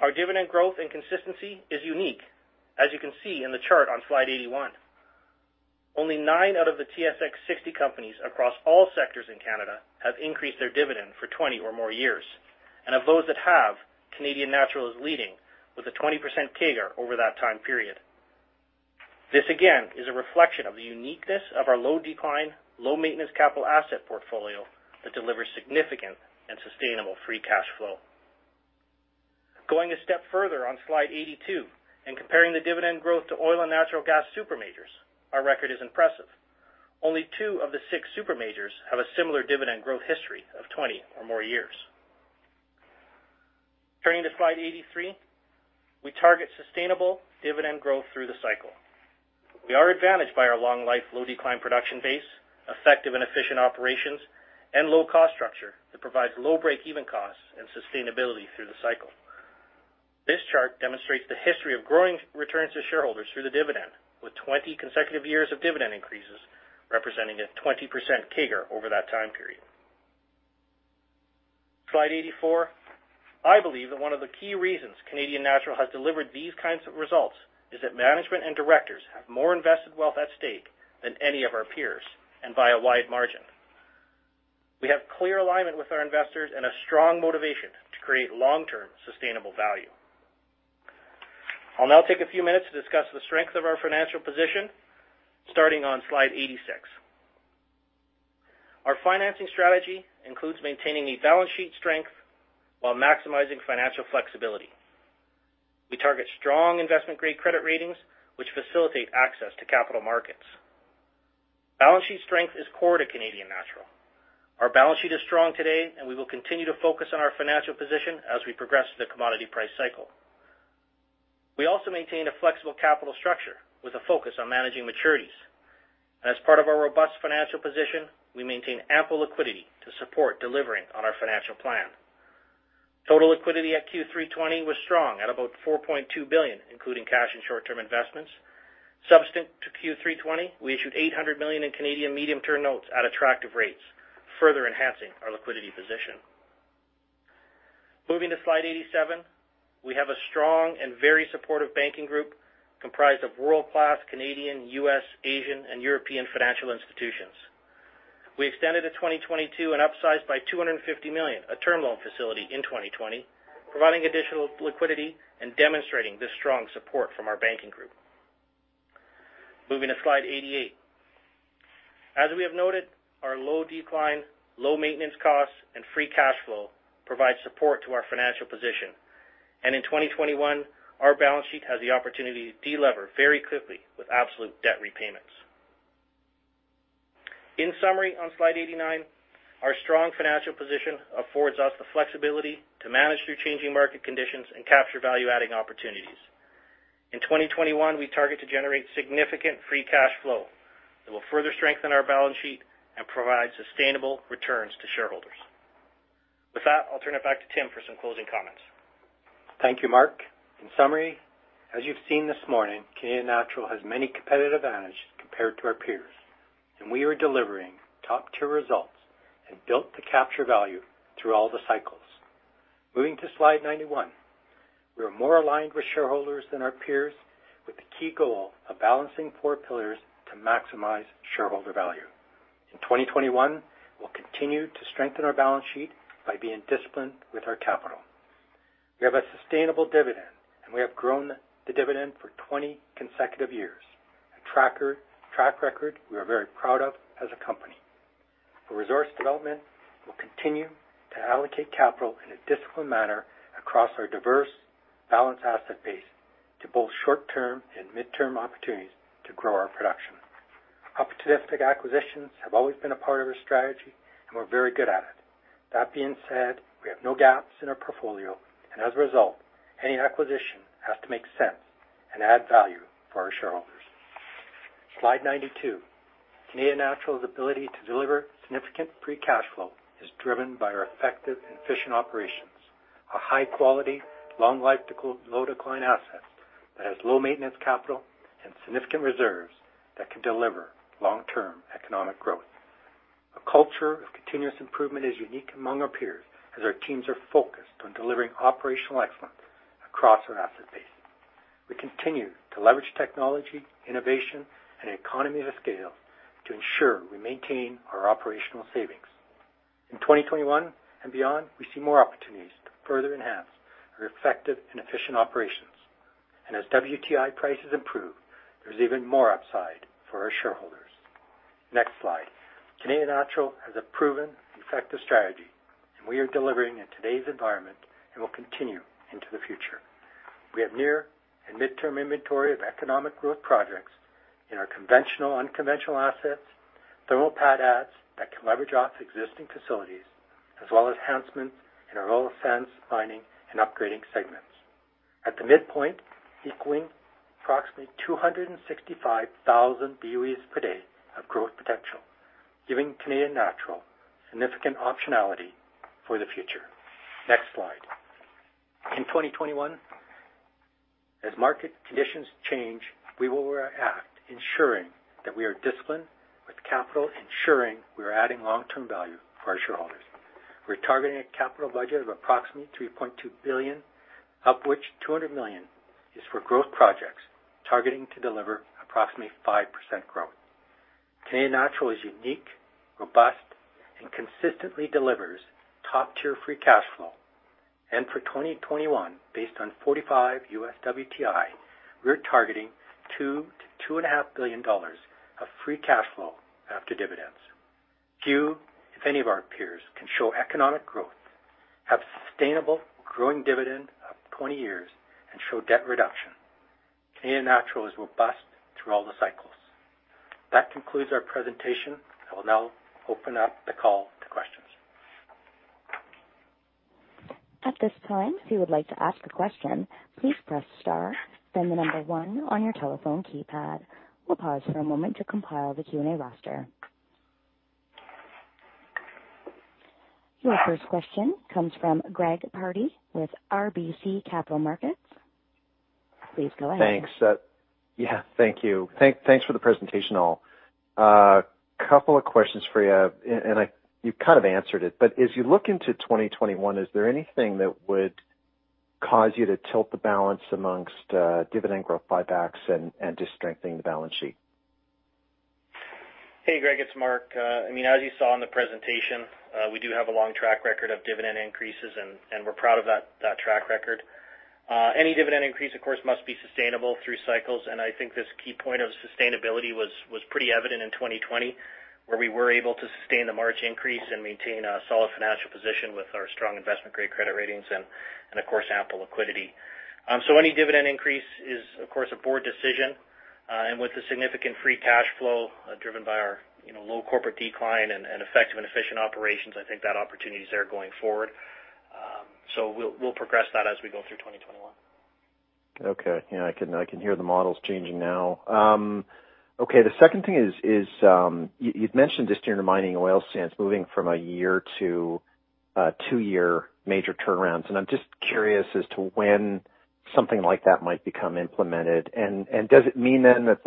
Our dividend growth and consistency is unique, as you can see in the chart on slide 81. Only nine out of the TSX 60 companies across all sectors in Canada have increased their dividend for 20 or more years. Of those that have, Canadian Natural is leading with a 20% CAGR over that time period. This, again, is a reflection of the uniqueness of our low decline, low maintenance capital asset portfolio that delivers significant and sustainable free cash flow. Going a step further on slide 82 and comparing the dividend growth to oil and natural gas super majors, our record is impressive. Only two of the six super majors have a similar dividend growth history of 20 or more years. Turning to slide 83, we target sustainable dividend growth through the cycle. We are advantaged by our long life, low decline production base, effective and efficient operations, and low cost structure that provides low breakeven costs and sustainability through the cycle. This chart demonstrates the history of growing returns to shareholders through the dividend, with 20 consecutive years of dividend increases, representing a 20% CAGR over that time period. Slide 84. I believe that one of the key reasons Canadian Natural has delivered these kinds of results is that management and directors have more invested wealth at stake than any of our peers, and by a wide margin. We have clear alignment with our investors and a strong motivation to create long-term sustainable value. I'll now take a few minutes to discuss the strength of our financial position, starting on slide 86. Our financing strategy includes maintaining a balance sheet strength while maximizing financial flexibility. We target strong investment-grade credit ratings, which facilitate access to capital markets. Balance sheet strength is core to Canadian Natural. Our balance sheet is strong today, and we will continue to focus on our financial position as we progress through the commodity price cycle. We also maintain a flexible capital structure with a focus on managing maturities. As part of our robust financial position, we maintain ample liquidity to support delivering on our financial plan. Total liquidity at Q3 2020 was strong at about 4.2 billion, including cash and short-term investments. Subsequent to Q3 2020, we issued 800 million in Canadian medium-term notes at attractive rates, further enhancing our liquidity position. Moving to slide 87. We have a strong and very supportive banking group comprised of world-class Canadian, U.S., Asian, and European financial institutions. We extended to 2022 and upsized by 250 million, a term loan facility in 2020, providing additional liquidity and demonstrating the strong support from our banking group. Moving to slide 88. As we have noted, our low decline, low maintenance costs, and free cash flow provide support to our financial position. In 2021, our balance sheet has the opportunity to delever very quickly with absolute debt repayments. In summary, on slide 89, our strong financial position affords us the flexibility to manage through changing market conditions and capture value-adding opportunities. In 2021, we target to generate significant free cash flow that will further strengthen our balance sheet and provide sustainable returns to shareholders. With that, I'll turn it back to Tim for some closing comments. Thank you, Mark. In summary, as you've seen this morning, Canadian Natural has many competitive advantage compared to our peers, and we are delivering top-tier results and built to capture value through all the cycles. Moving to slide 91. We are more aligned with shareholders than our peers, with the key goal of balancing four pillars to maximize shareholder value. In 2021, we'll continue to strengthen our balance sheet by being disciplined with our capital. We have a sustainable dividend, and we have grown the dividend for 20 consecutive years, a track record we are very proud of as a company. For resource development, we'll continue to allocate capital in a disciplined manner across our diverse, balanced asset base to both short-term and midterm opportunities to grow our production. Opportunistic acquisitions have always been a part of our strategy, and we're very good at it. That being said, we have no gaps in our portfolio, as a result, any acquisition has to make sense and add value for our shareholders. Slide 92. Canadian Natural's ability to deliver significant free cash flow is driven by our effective and efficient operations. A high-quality, long-life, low-decline asset that has low maintenance capital and significant reserves that can deliver long-term economic growth. A culture of continuous improvement is unique among our peers, as our teams are focused on delivering operational excellence across our asset base. We continue to leverage technology, innovation, and economies of scale to ensure we maintain our operational savings. In 2021 and beyond, we see more opportunities to further enhance our effective and efficient operations. As WTI prices improve, there's even more upside for our shareholders. Next slide. Canadian Natural has a proven effective strategy, and we are delivering in today's environment, and will continue into the future. We have near and midterm inventory of economic growth projects in our conventional, unconventional assets, thermal pad adds that can leverage off existing facilities, as well as enhancements in our oil sands mining and upgrading segments. At the midpoint, equaling approximately 265,000 BOEs per day of growth potential, giving Canadian Natural significant optionality for the future. Next slide. In 2021, as market conditions change, we will react, ensuring that we are disciplined with capital, ensuring we are adding long-term value for our shareholders. We're targeting a capital budget of approximately 3.2 billion, of which 200 million is for growth projects, targeting to deliver approximately 5% growth. Canadian Natural is unique, robust, and consistently delivers top-tier free cash flow. For 2021, based on $45 U.S. WTI, we're targeting 2 billion-2.5 billion dollars of free cash flow after dividends. Few, if any, of our peers can show economic growth, have sustainable growing dividend of 20 years, and show debt reduction. Canadian Natural is robust through all the cycles. That concludes our presentation. I will now open up the call to questions. At this time, if you would like to ask a question, please press star, then the number one on your telephone keypad. We'll pause for a moment to compile the Q&A roster. Your first question comes from Greg Pardy with RBC Capital Markets. Please go ahead. Thanks. Yeah, thank you. Thanks for the presentation, all. A couple of questions for you, and you've kind of answered it, but as you look into 2021, is there anything that would cause you to tilt the balance amongst dividend growth buybacks and just strengthening the balance sheet? Hey, Greg, it's Mark. As you saw in the presentation, we do have a long track record of dividend increases. We're proud of that track record. Any dividend increase, of course, must be sustainable through cycles. I think this key point of sustainability was pretty evident in 2020, where we were able to sustain the March increase and maintain a solid financial position with our strong investment-grade credit ratings and, of course, ample liquidity. Any dividend increase is, of course, a board decision. With the significant free cash flow driven by our low corporate decline and effective and efficient operations, I think that opportunity is there going forward. We'll progress that as we go through 2021. Yeah, I can hear the models changing now. The second thing is, you've mentioned this during the mining oil sands moving from a year to a two-year major turnarounds. I'm just curious as to when something like that might become implemented. Does it mean that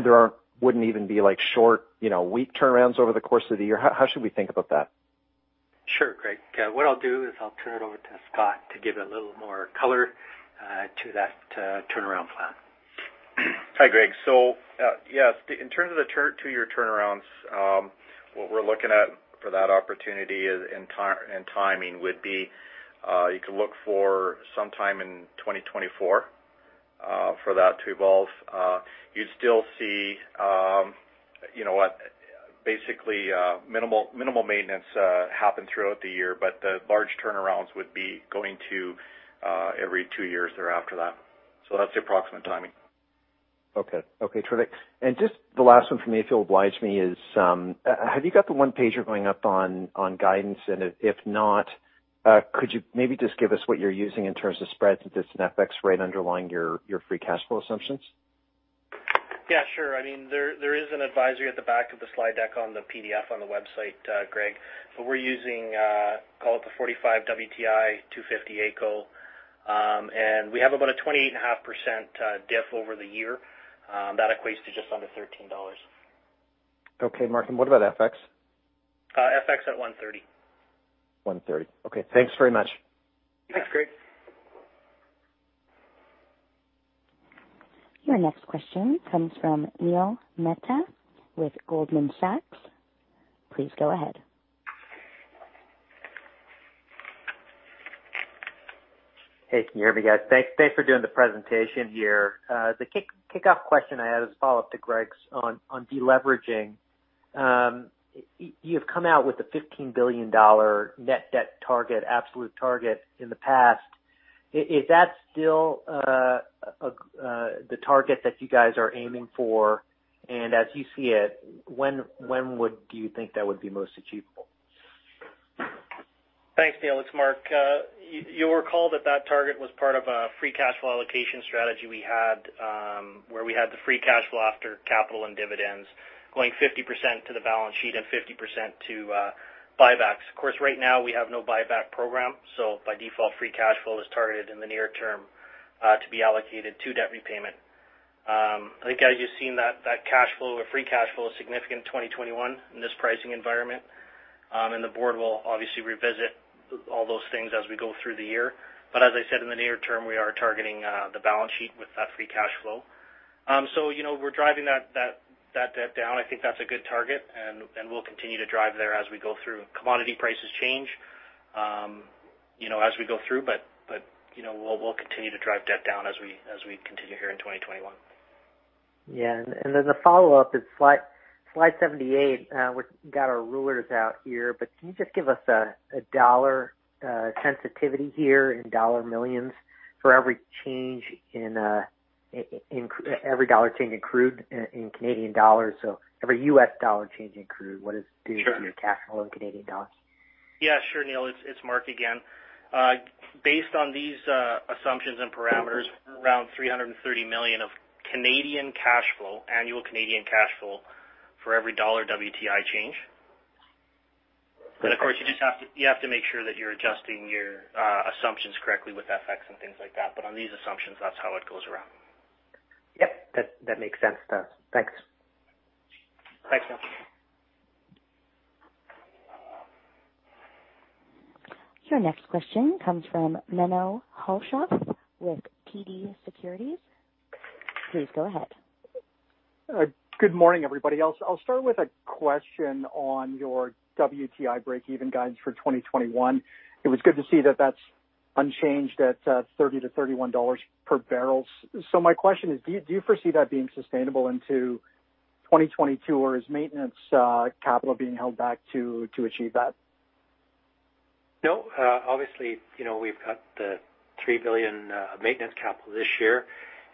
there wouldn't even be short, week turnarounds over the course of the year? How should we think about that? Sure, Greg. What I'll do is I'll turn it over to Scotford to give a little more color to that turnaround plan. Hi, Greg. Yes, in terms of the two-year turnarounds, what we're looking at for that opportunity and timing would be, you could look for sometime in 2024 for that to evolve. You'd still see basically minimal maintenance happen throughout the year, but the large turnarounds would be going to every two years thereafter that. That's the approximate timing. Okay. Terrific. Just the last one from me, if you'll oblige me, is have you got the one pager going up on guidance? If not, could you maybe just give us what you're using in terms of spreads and just an FX rate underlying your free cash flow assumptions? Yeah, sure. There is an advisory at the back of the slide deck on the PDF on the website, Greg, but we're using, call it the 45 WTI 250 AECO. We have about a 28.5% diff over the year. That equates to just under 13 dollars. Okay, Mark. What about FX? FX at 130. Okay, thanks very much. Thanks, Greg. Your next question comes from Neil Mehta with Goldman Sachs. Please go ahead. Hey, can you hear me guys? Thanks for doing the presentation here. The kickoff question I had is a follow-up to Greg's on de-leveraging. You've come out with a 15 billion dollar net debt target, absolute target in the past. Is that still the target that you guys are aiming for? As you see it, when do you think that would be most achievable? Thanks, Neil. It's Mark. You'll recall that that target was part of a free cash flow allocation strategy we had, where we had the free cash flow after capital and dividends going 50% to the balance sheet and 50% to buybacks. Of course, right now we have no buyback program, so by default, free cash flow is targeted in the near term to be allocated to debt repayment. I think as you've seen that cash flow or free cash flow is significant in 2021 in this pricing environment. The board will obviously revisit all those things as we go through the year. As I said, in the near term, we are targeting the balance sheet with that free cash flow. We're driving that debt down. I think that's a good target, and we'll continue to drive there as we go through. Commodity prices change as we go through, but we'll continue to drive debt down as we continue here in 2021. Yeah. The follow-up is slide 78. We've got our rulers out here, can you just give us a CAD sensitivity here in dollar millions for every CAD change in crude in Canadian dollars? Every U.S. dollar change in crude. Sure. Your cash flow in Canadian dollars? Yeah. Sure, Neil. It's Mark again. Based on these assumptions and parameters, around 330 million of annual Canadian cash flow for every CAD 1 WTI change. Of course, you have to make sure that you're adjusting your assumptions correctly with FX and things like that. On these assumptions, that's how it goes around. Yep. That makes sense to us. Thanks. Thanks, Neil. Your next question comes from Menno Hulshof with TD Securities. Please go ahead. Good morning, everybody else. I'll start with a question on your WTI breakeven guidance for 2021. It was good to see that that's unchanged at 30-31 dollars per barrel. My question is, do you foresee that being sustainable into 2022, or is maintenance capital being held back to achieve that? No. Obviously, we've got the 3 billion of maintenance capital this year,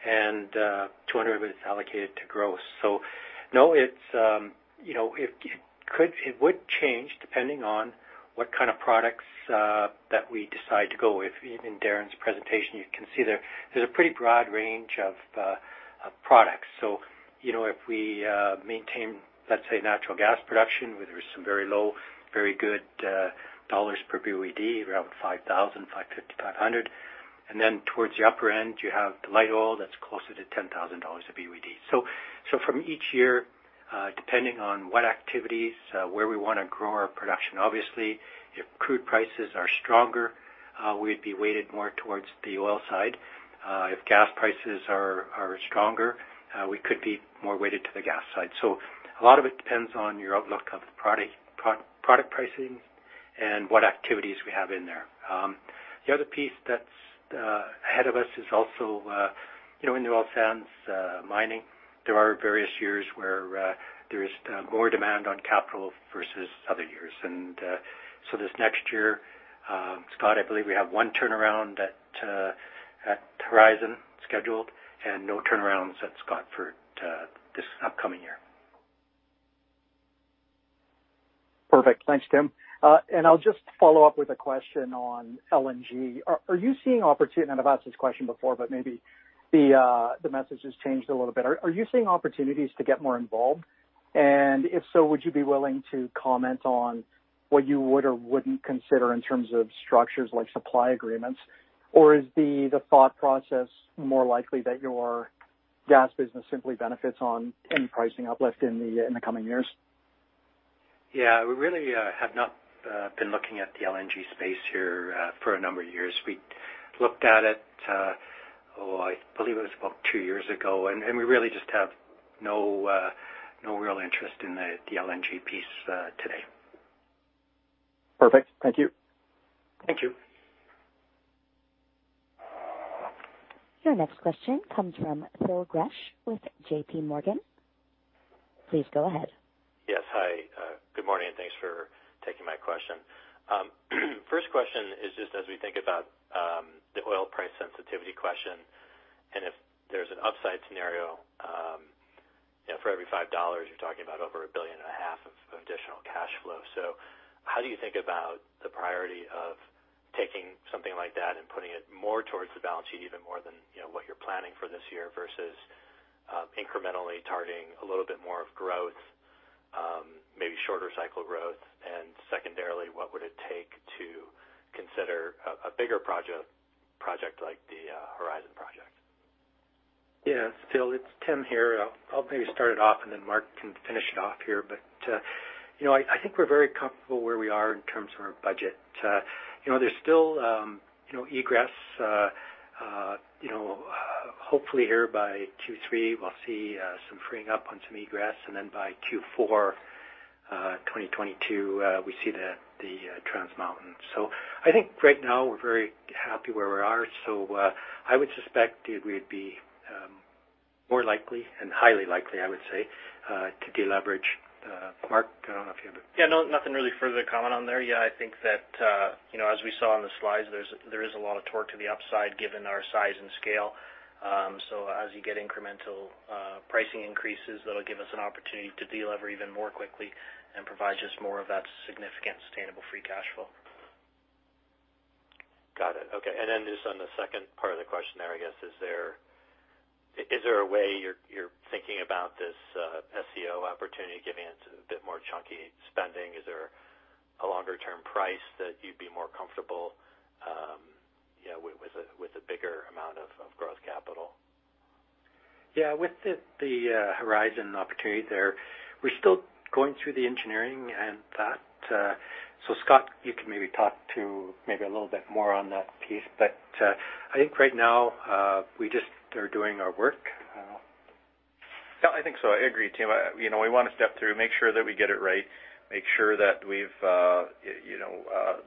and 200 of it is allocated to growth. No, it would change depending on what kind of products that we decide to go with. In Darren's presentation, you can see there's a pretty broad range of products. If we maintain, let's say, natural gas production, where there's some very low, very good CAD per BOE/d, around 5,000, 5,500. Towards the upper end, you have the light oil that's closer to 10,000 dollars of BOE/d. From each year, depending on what activities, where we want to grow our production. Obviously, if crude prices are stronger, we'd be weighted more towards the oil side. If gas prices are stronger, we could be more weighted to the gas side. A lot of it depends on your outlook of the product pricing and what activities we have in there. The other piece that's ahead of us is also in the oil sands mining. There are various years where there is more demand on capital versus other years. This next year, Scotford, I believe we have one turnaround at Horizon scheduled and no turnarounds at Scotford for this upcoming year. Perfect. Thanks, Tim. I'll just follow up with a question on LNG. I've asked this question before, but maybe the message has changed a little bit. Are you seeing opportunities to get more involved? If so, would you be willing to comment on what you would or wouldn't consider in terms of structures like supply agreements? Is the thought process more likely that your gas business simply benefits on any pricing uplift in the coming years? Yeah. We really have not been looking at the LNG space here for a number of years. We looked at it, I believe it was about two years ago. We really just have no real interest in the LNG piece today. Perfect. Thank you. Thank you. Your next question comes from Phil Gresh with JPMorgan. Please go ahead. Yes. Hi. Good morning, and thanks for taking my question. First question is just as we think about the oil price sensitivity question, and if there's an upside scenario for every 5 dollars, you're talking about over 1.5 billion of additional cash flow. How do you think about the priority of taking something like that and putting it more towards the balance sheet, even more than what you're planning for this year, versus incrementally targeting a little bit more of growth, maybe shorter cycle growth? Secondarily, what would it take to consider a bigger project like the Horizon project? Yeah. Phil, it's Tim here. I'll maybe start it off, and then Mark can finish it off here. I think we're very comfortable where we are in terms of our budget. There's still egress. Hopefully here by Q3, we'll see some freeing up on some egress, and then by Q4 2022, we see the Trans Mountain. I think right now we're very happy where we are. I would suspect that we'd be more likely and highly likely, I would say, to deleverage. Mark, I don't know if you have a? Yeah, no, nothing really further to comment on there. Yeah, I think that as we saw in the slides, there is a lot of torque to the upside given our size and scale. As you get incremental pricing increases, that'll give us an opportunity to delever even more quickly and provide just more of that significant, sustainable free cash flow. Got it. Okay. Just on the second part of the question there, I guess, is there a way you're thinking about this SCO opportunity giving into a bit more chunky spending? Is there a longer-term price that you'd be more comfortable with a bigger amount of growth capital? Yeah. With the Horizon opportunity there, we're still going through the engineering and that. Scotford, you can maybe talk to maybe a little bit more on that piece, but I think right now we just are doing our work. Yeah, I think so. I agree, Tim. We want to step through, make sure that we get it right, make sure that we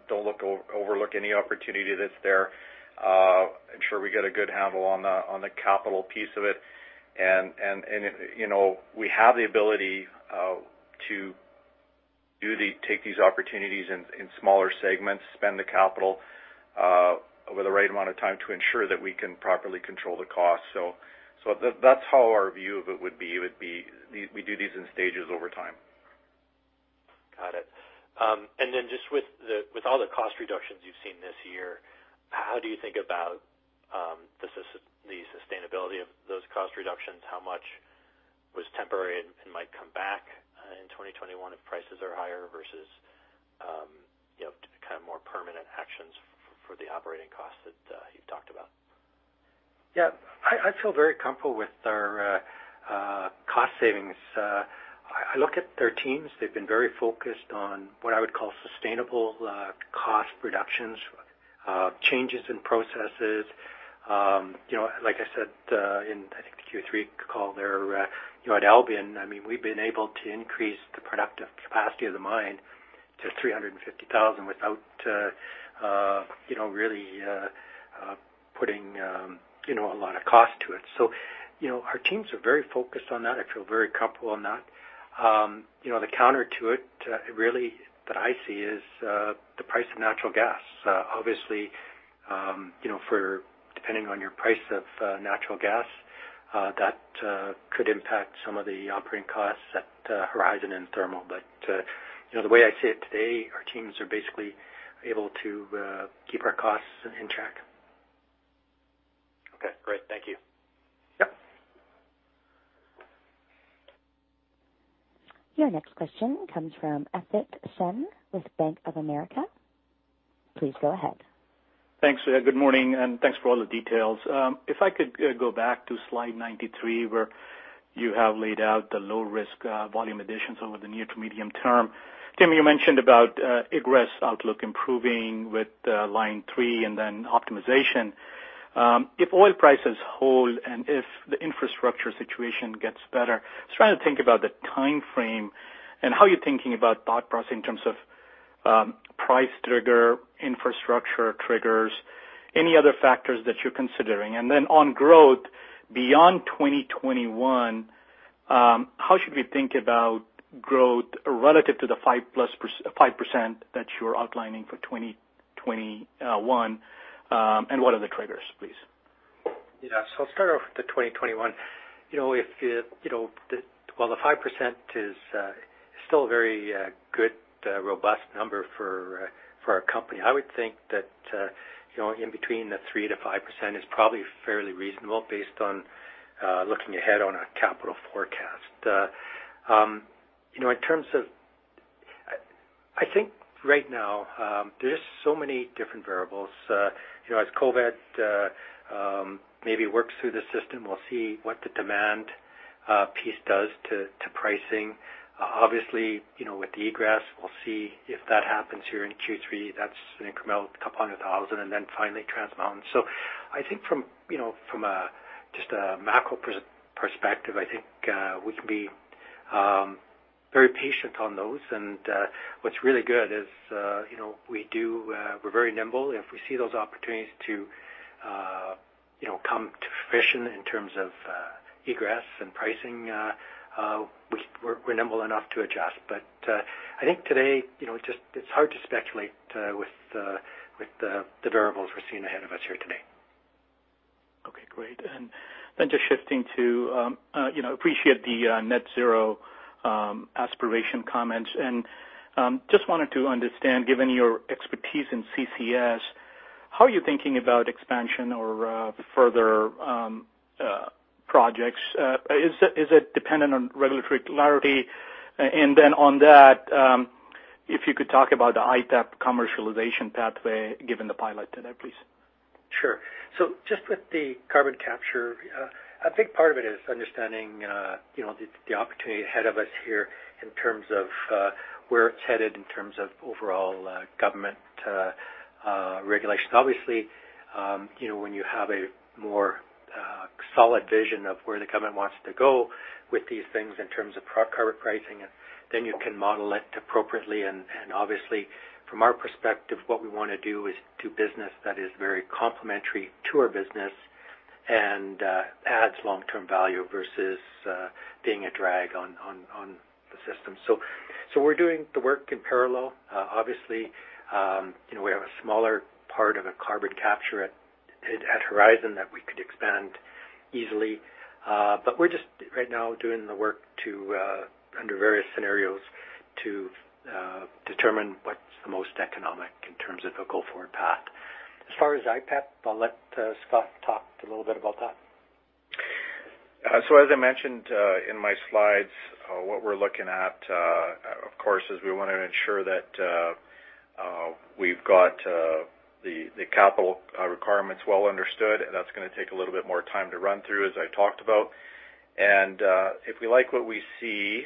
don't overlook any opportunity that's there, ensure we get a good handle on the capital piece of it. We have the ability to take these opportunities in smaller segments, spend the capital over the right amount of time to ensure that we can properly control the cost. That's how our view of it would be. It would be we do these in stages over time. Got it. Just with all the cost reductions you've seen this year, how do you think about the sustainability of those cost reductions? How much was temporary and might come back in 2021 if prices are higher versus kind of more permanent actions for the operating costs that you've talked about? I feel very comfortable with our cost savings. I look at their teams. They've been very focused on what I would call sustainable cost reductions, changes in processes. Like I said in, I think, the Q3 call there, at Albian, we've been able to increase the productive capacity of the mine to 350,000 without really putting a lot of cost to it. Our teams are very focused on that. I feel very comfortable on that. The counter to it really that I see is the price of natural gas. Obviously, depending on your price of natural gas, that could impact some of the operating costs at Horizon and Thermal. The way I see it today, our teams are basically able to keep our costs in check. Okay, great. Thank you. Yep. Your next question comes from Asit Sen with Bank of America. Please go ahead. Thanks. Good morning, and thanks for all the details. If I could go back to slide 93, where you have laid out the low-risk volume additions over the near to medium term. Tim, you mentioned about egress outlook improving with line three and then optimization. If oil prices hold and if the infrastructure situation gets better, just trying to think about the timeframe and how you're thinking about thought process in terms of price trigger, infrastructure triggers, any other factors that you're considering. On growth beyond 2021, how should we think about growth relative to the 5% that you're outlining for 2021? What are the triggers, please? Yeah. I'll start off with the 2021. Well, the 5% is still a very good, robust number for our company. I would think that in between the 3%-5% is probably fairly reasonable based on looking ahead on our capital forecast. I think right now there's so many different variables. As COVID maybe works through the system, we'll see what the demand piece does to pricing. Obviously, with the egress, we'll see if that happens here in Q3. That's an incremental couple hundred thousand and then finally Trans Mountain. I think from just a macro perspective, I think we can be very patient on those. What's really good is we're very nimble. If we see those opportunities to come to fruition in terms of egress and pricing, we're nimble enough to adjust. I think today, it's hard to speculate with the variables we're seeing ahead of us here today. Okay, great. Then just shifting to appreciate the net zero aspiration comments. Just wanted to understand, given your expertise in CCS, how are you thinking about expansion or further projects? Is it dependent on regulatory clarity? Then on that, if you could talk about the IPEP commercialization pathway given the pilot today, please. Sure. Just with the carbon capture, a big part of it is understanding the opportunity ahead of us here in terms of where it's headed in terms of overall government regulation. Obviously, when you have a more solid vision of where the government wants to go with these things in terms of carbon pricing, then you can model it appropriately. Obviously from our perspective, what we want to do is do business that is very complementary to our business and adds long-term value versus being a drag on the system. We're doing the work in parallel. Obviously, we have a smaller part of a carbon capture at Horizon that we could expand easily. We're just right now doing the work under various scenarios to determine what's the most economic in terms of a go-forward path. As far as IPEP, I'll let Scotford talk a little bit about that. As I mentioned in my slides, what we're looking at, of course, is we want to ensure that we've got the capital requirements well understood. That's going to take a little bit more time to run through, as I talked about. If we like what we see,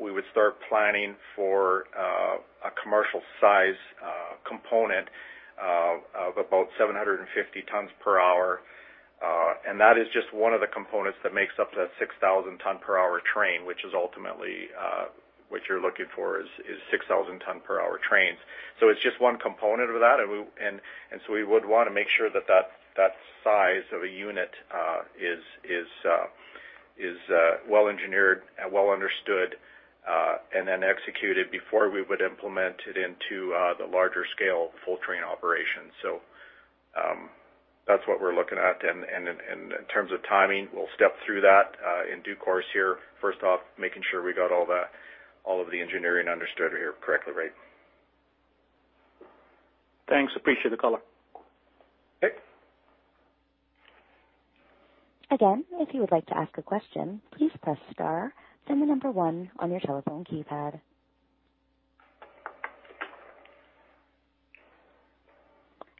we would start planning for a commercial size component of about 750 tons per hour. That is just one of the components that makes up that 6,000 ton per hour train, which is ultimately what you're looking for, is 6,000 ton per hour trains. It's just one component of that. We would want to make sure that size of a unit is well-engineered and well understood, and then executed before we would implement it into the larger scale full train operation. That's what we're looking at. In terms of timing, we'll step through that in due course here. First off, making sure we got all of the engineering understood here correctly, right? Thanks. Appreciate the call. Okay. Again, if you would like to ask a question, please press star, then the number one on your telephone keypad.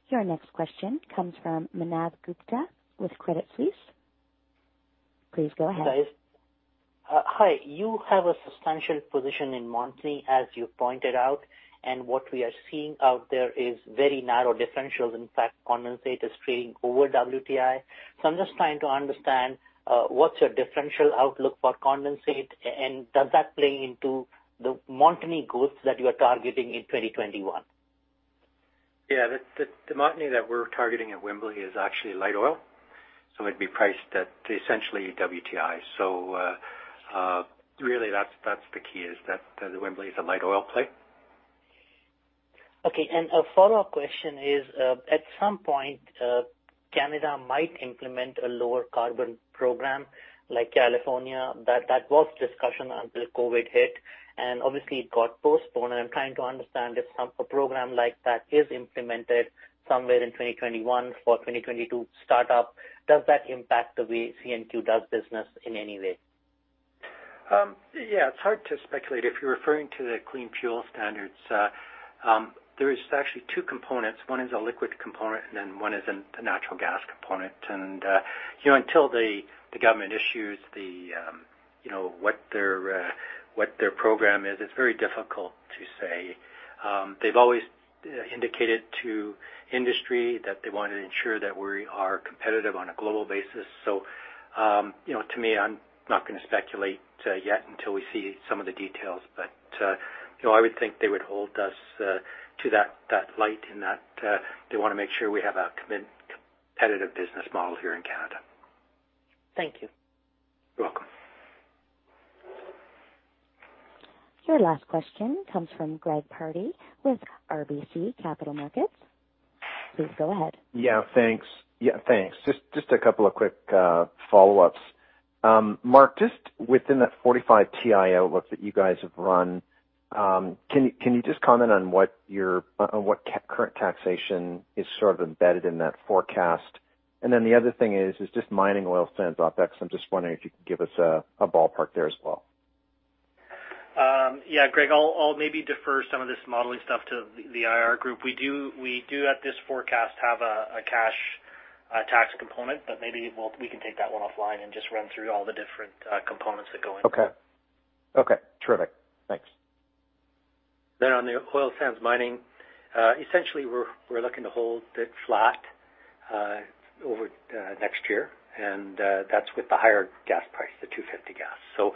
Your next question comes from Manav Gupta with Credit Suisse. Please go ahead. Hi. You have a substantial position in Montney, as you pointed out, and what we are seeing out there is very narrow differentials. In fact, condensate is trading over WTI. I'm just trying to understand what's your differential outlook for condensate, and does that play into the Montney goals that you are targeting in 2021? Yeah. The Montney that we're targeting at Wembley is actually light oil, so it'd be priced at essentially WTI. Really that's the key, is that the Wembley is a light oil play. Okay. A follow-up question is, at some point, Canada might implement a lower carbon program like California, that was discussion until COVID hit, and obviously it got postponed. I'm trying to understand if a program like that is implemented somewhere in 2021 for 2022 startup, does that impact the way CNQ does business in any way? It's hard to speculate. If you're referring to the clean fuel standards, there is actually 2 components. One is a liquid component, and then one is a natural gas component. Until the government issues what their program is, it's very difficult to say. They've always indicated to industry that they want to ensure that we are competitive on a global basis. To me, I'm not going to speculate yet until we see some of the details. I would think they would hold us to that light in that they want to make sure we have a competitive business model here in Canada. Thank you. You're welcome. Your last question comes from Greg Pardy with RBC Capital Markets. Please go ahead. Yeah, thanks. Just a couple of quick follow-ups. Mark, just within that $45 WTI work that you guys have run, can you just comment on what current taxation is sort of embedded in that forecast? The other thing is just mining oil sands OpEx. I'm just wondering if you could give us a ballpark there as well. Greg, I'll maybe defer some of this modeling stuff to the IR group. We do at this forecast have a cash tax component, but maybe we can take that one offline and just run through all the different components that go in. Okay. Terrific. Thanks. On the oil sands mining, essentially, we're looking to hold it flat over next year, and that's with the higher gas price, the 2.50 gas.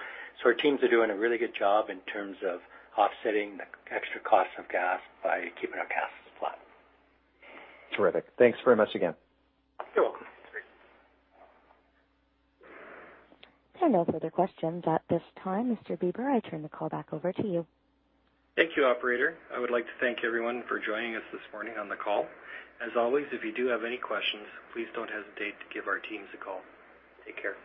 Our teams are doing a really good job in terms of offsetting the extra cost of gas by keeping our gas flat. Terrific. Thanks very much again. You're welcome. There are no further questions at this time. Mr. Bieber, I turn the call back over to you. Thank you, operator. I would like to thank everyone for joining us this morning on the call. As always, if you do have any questions, please don't hesitate to give our teams a call. Take care.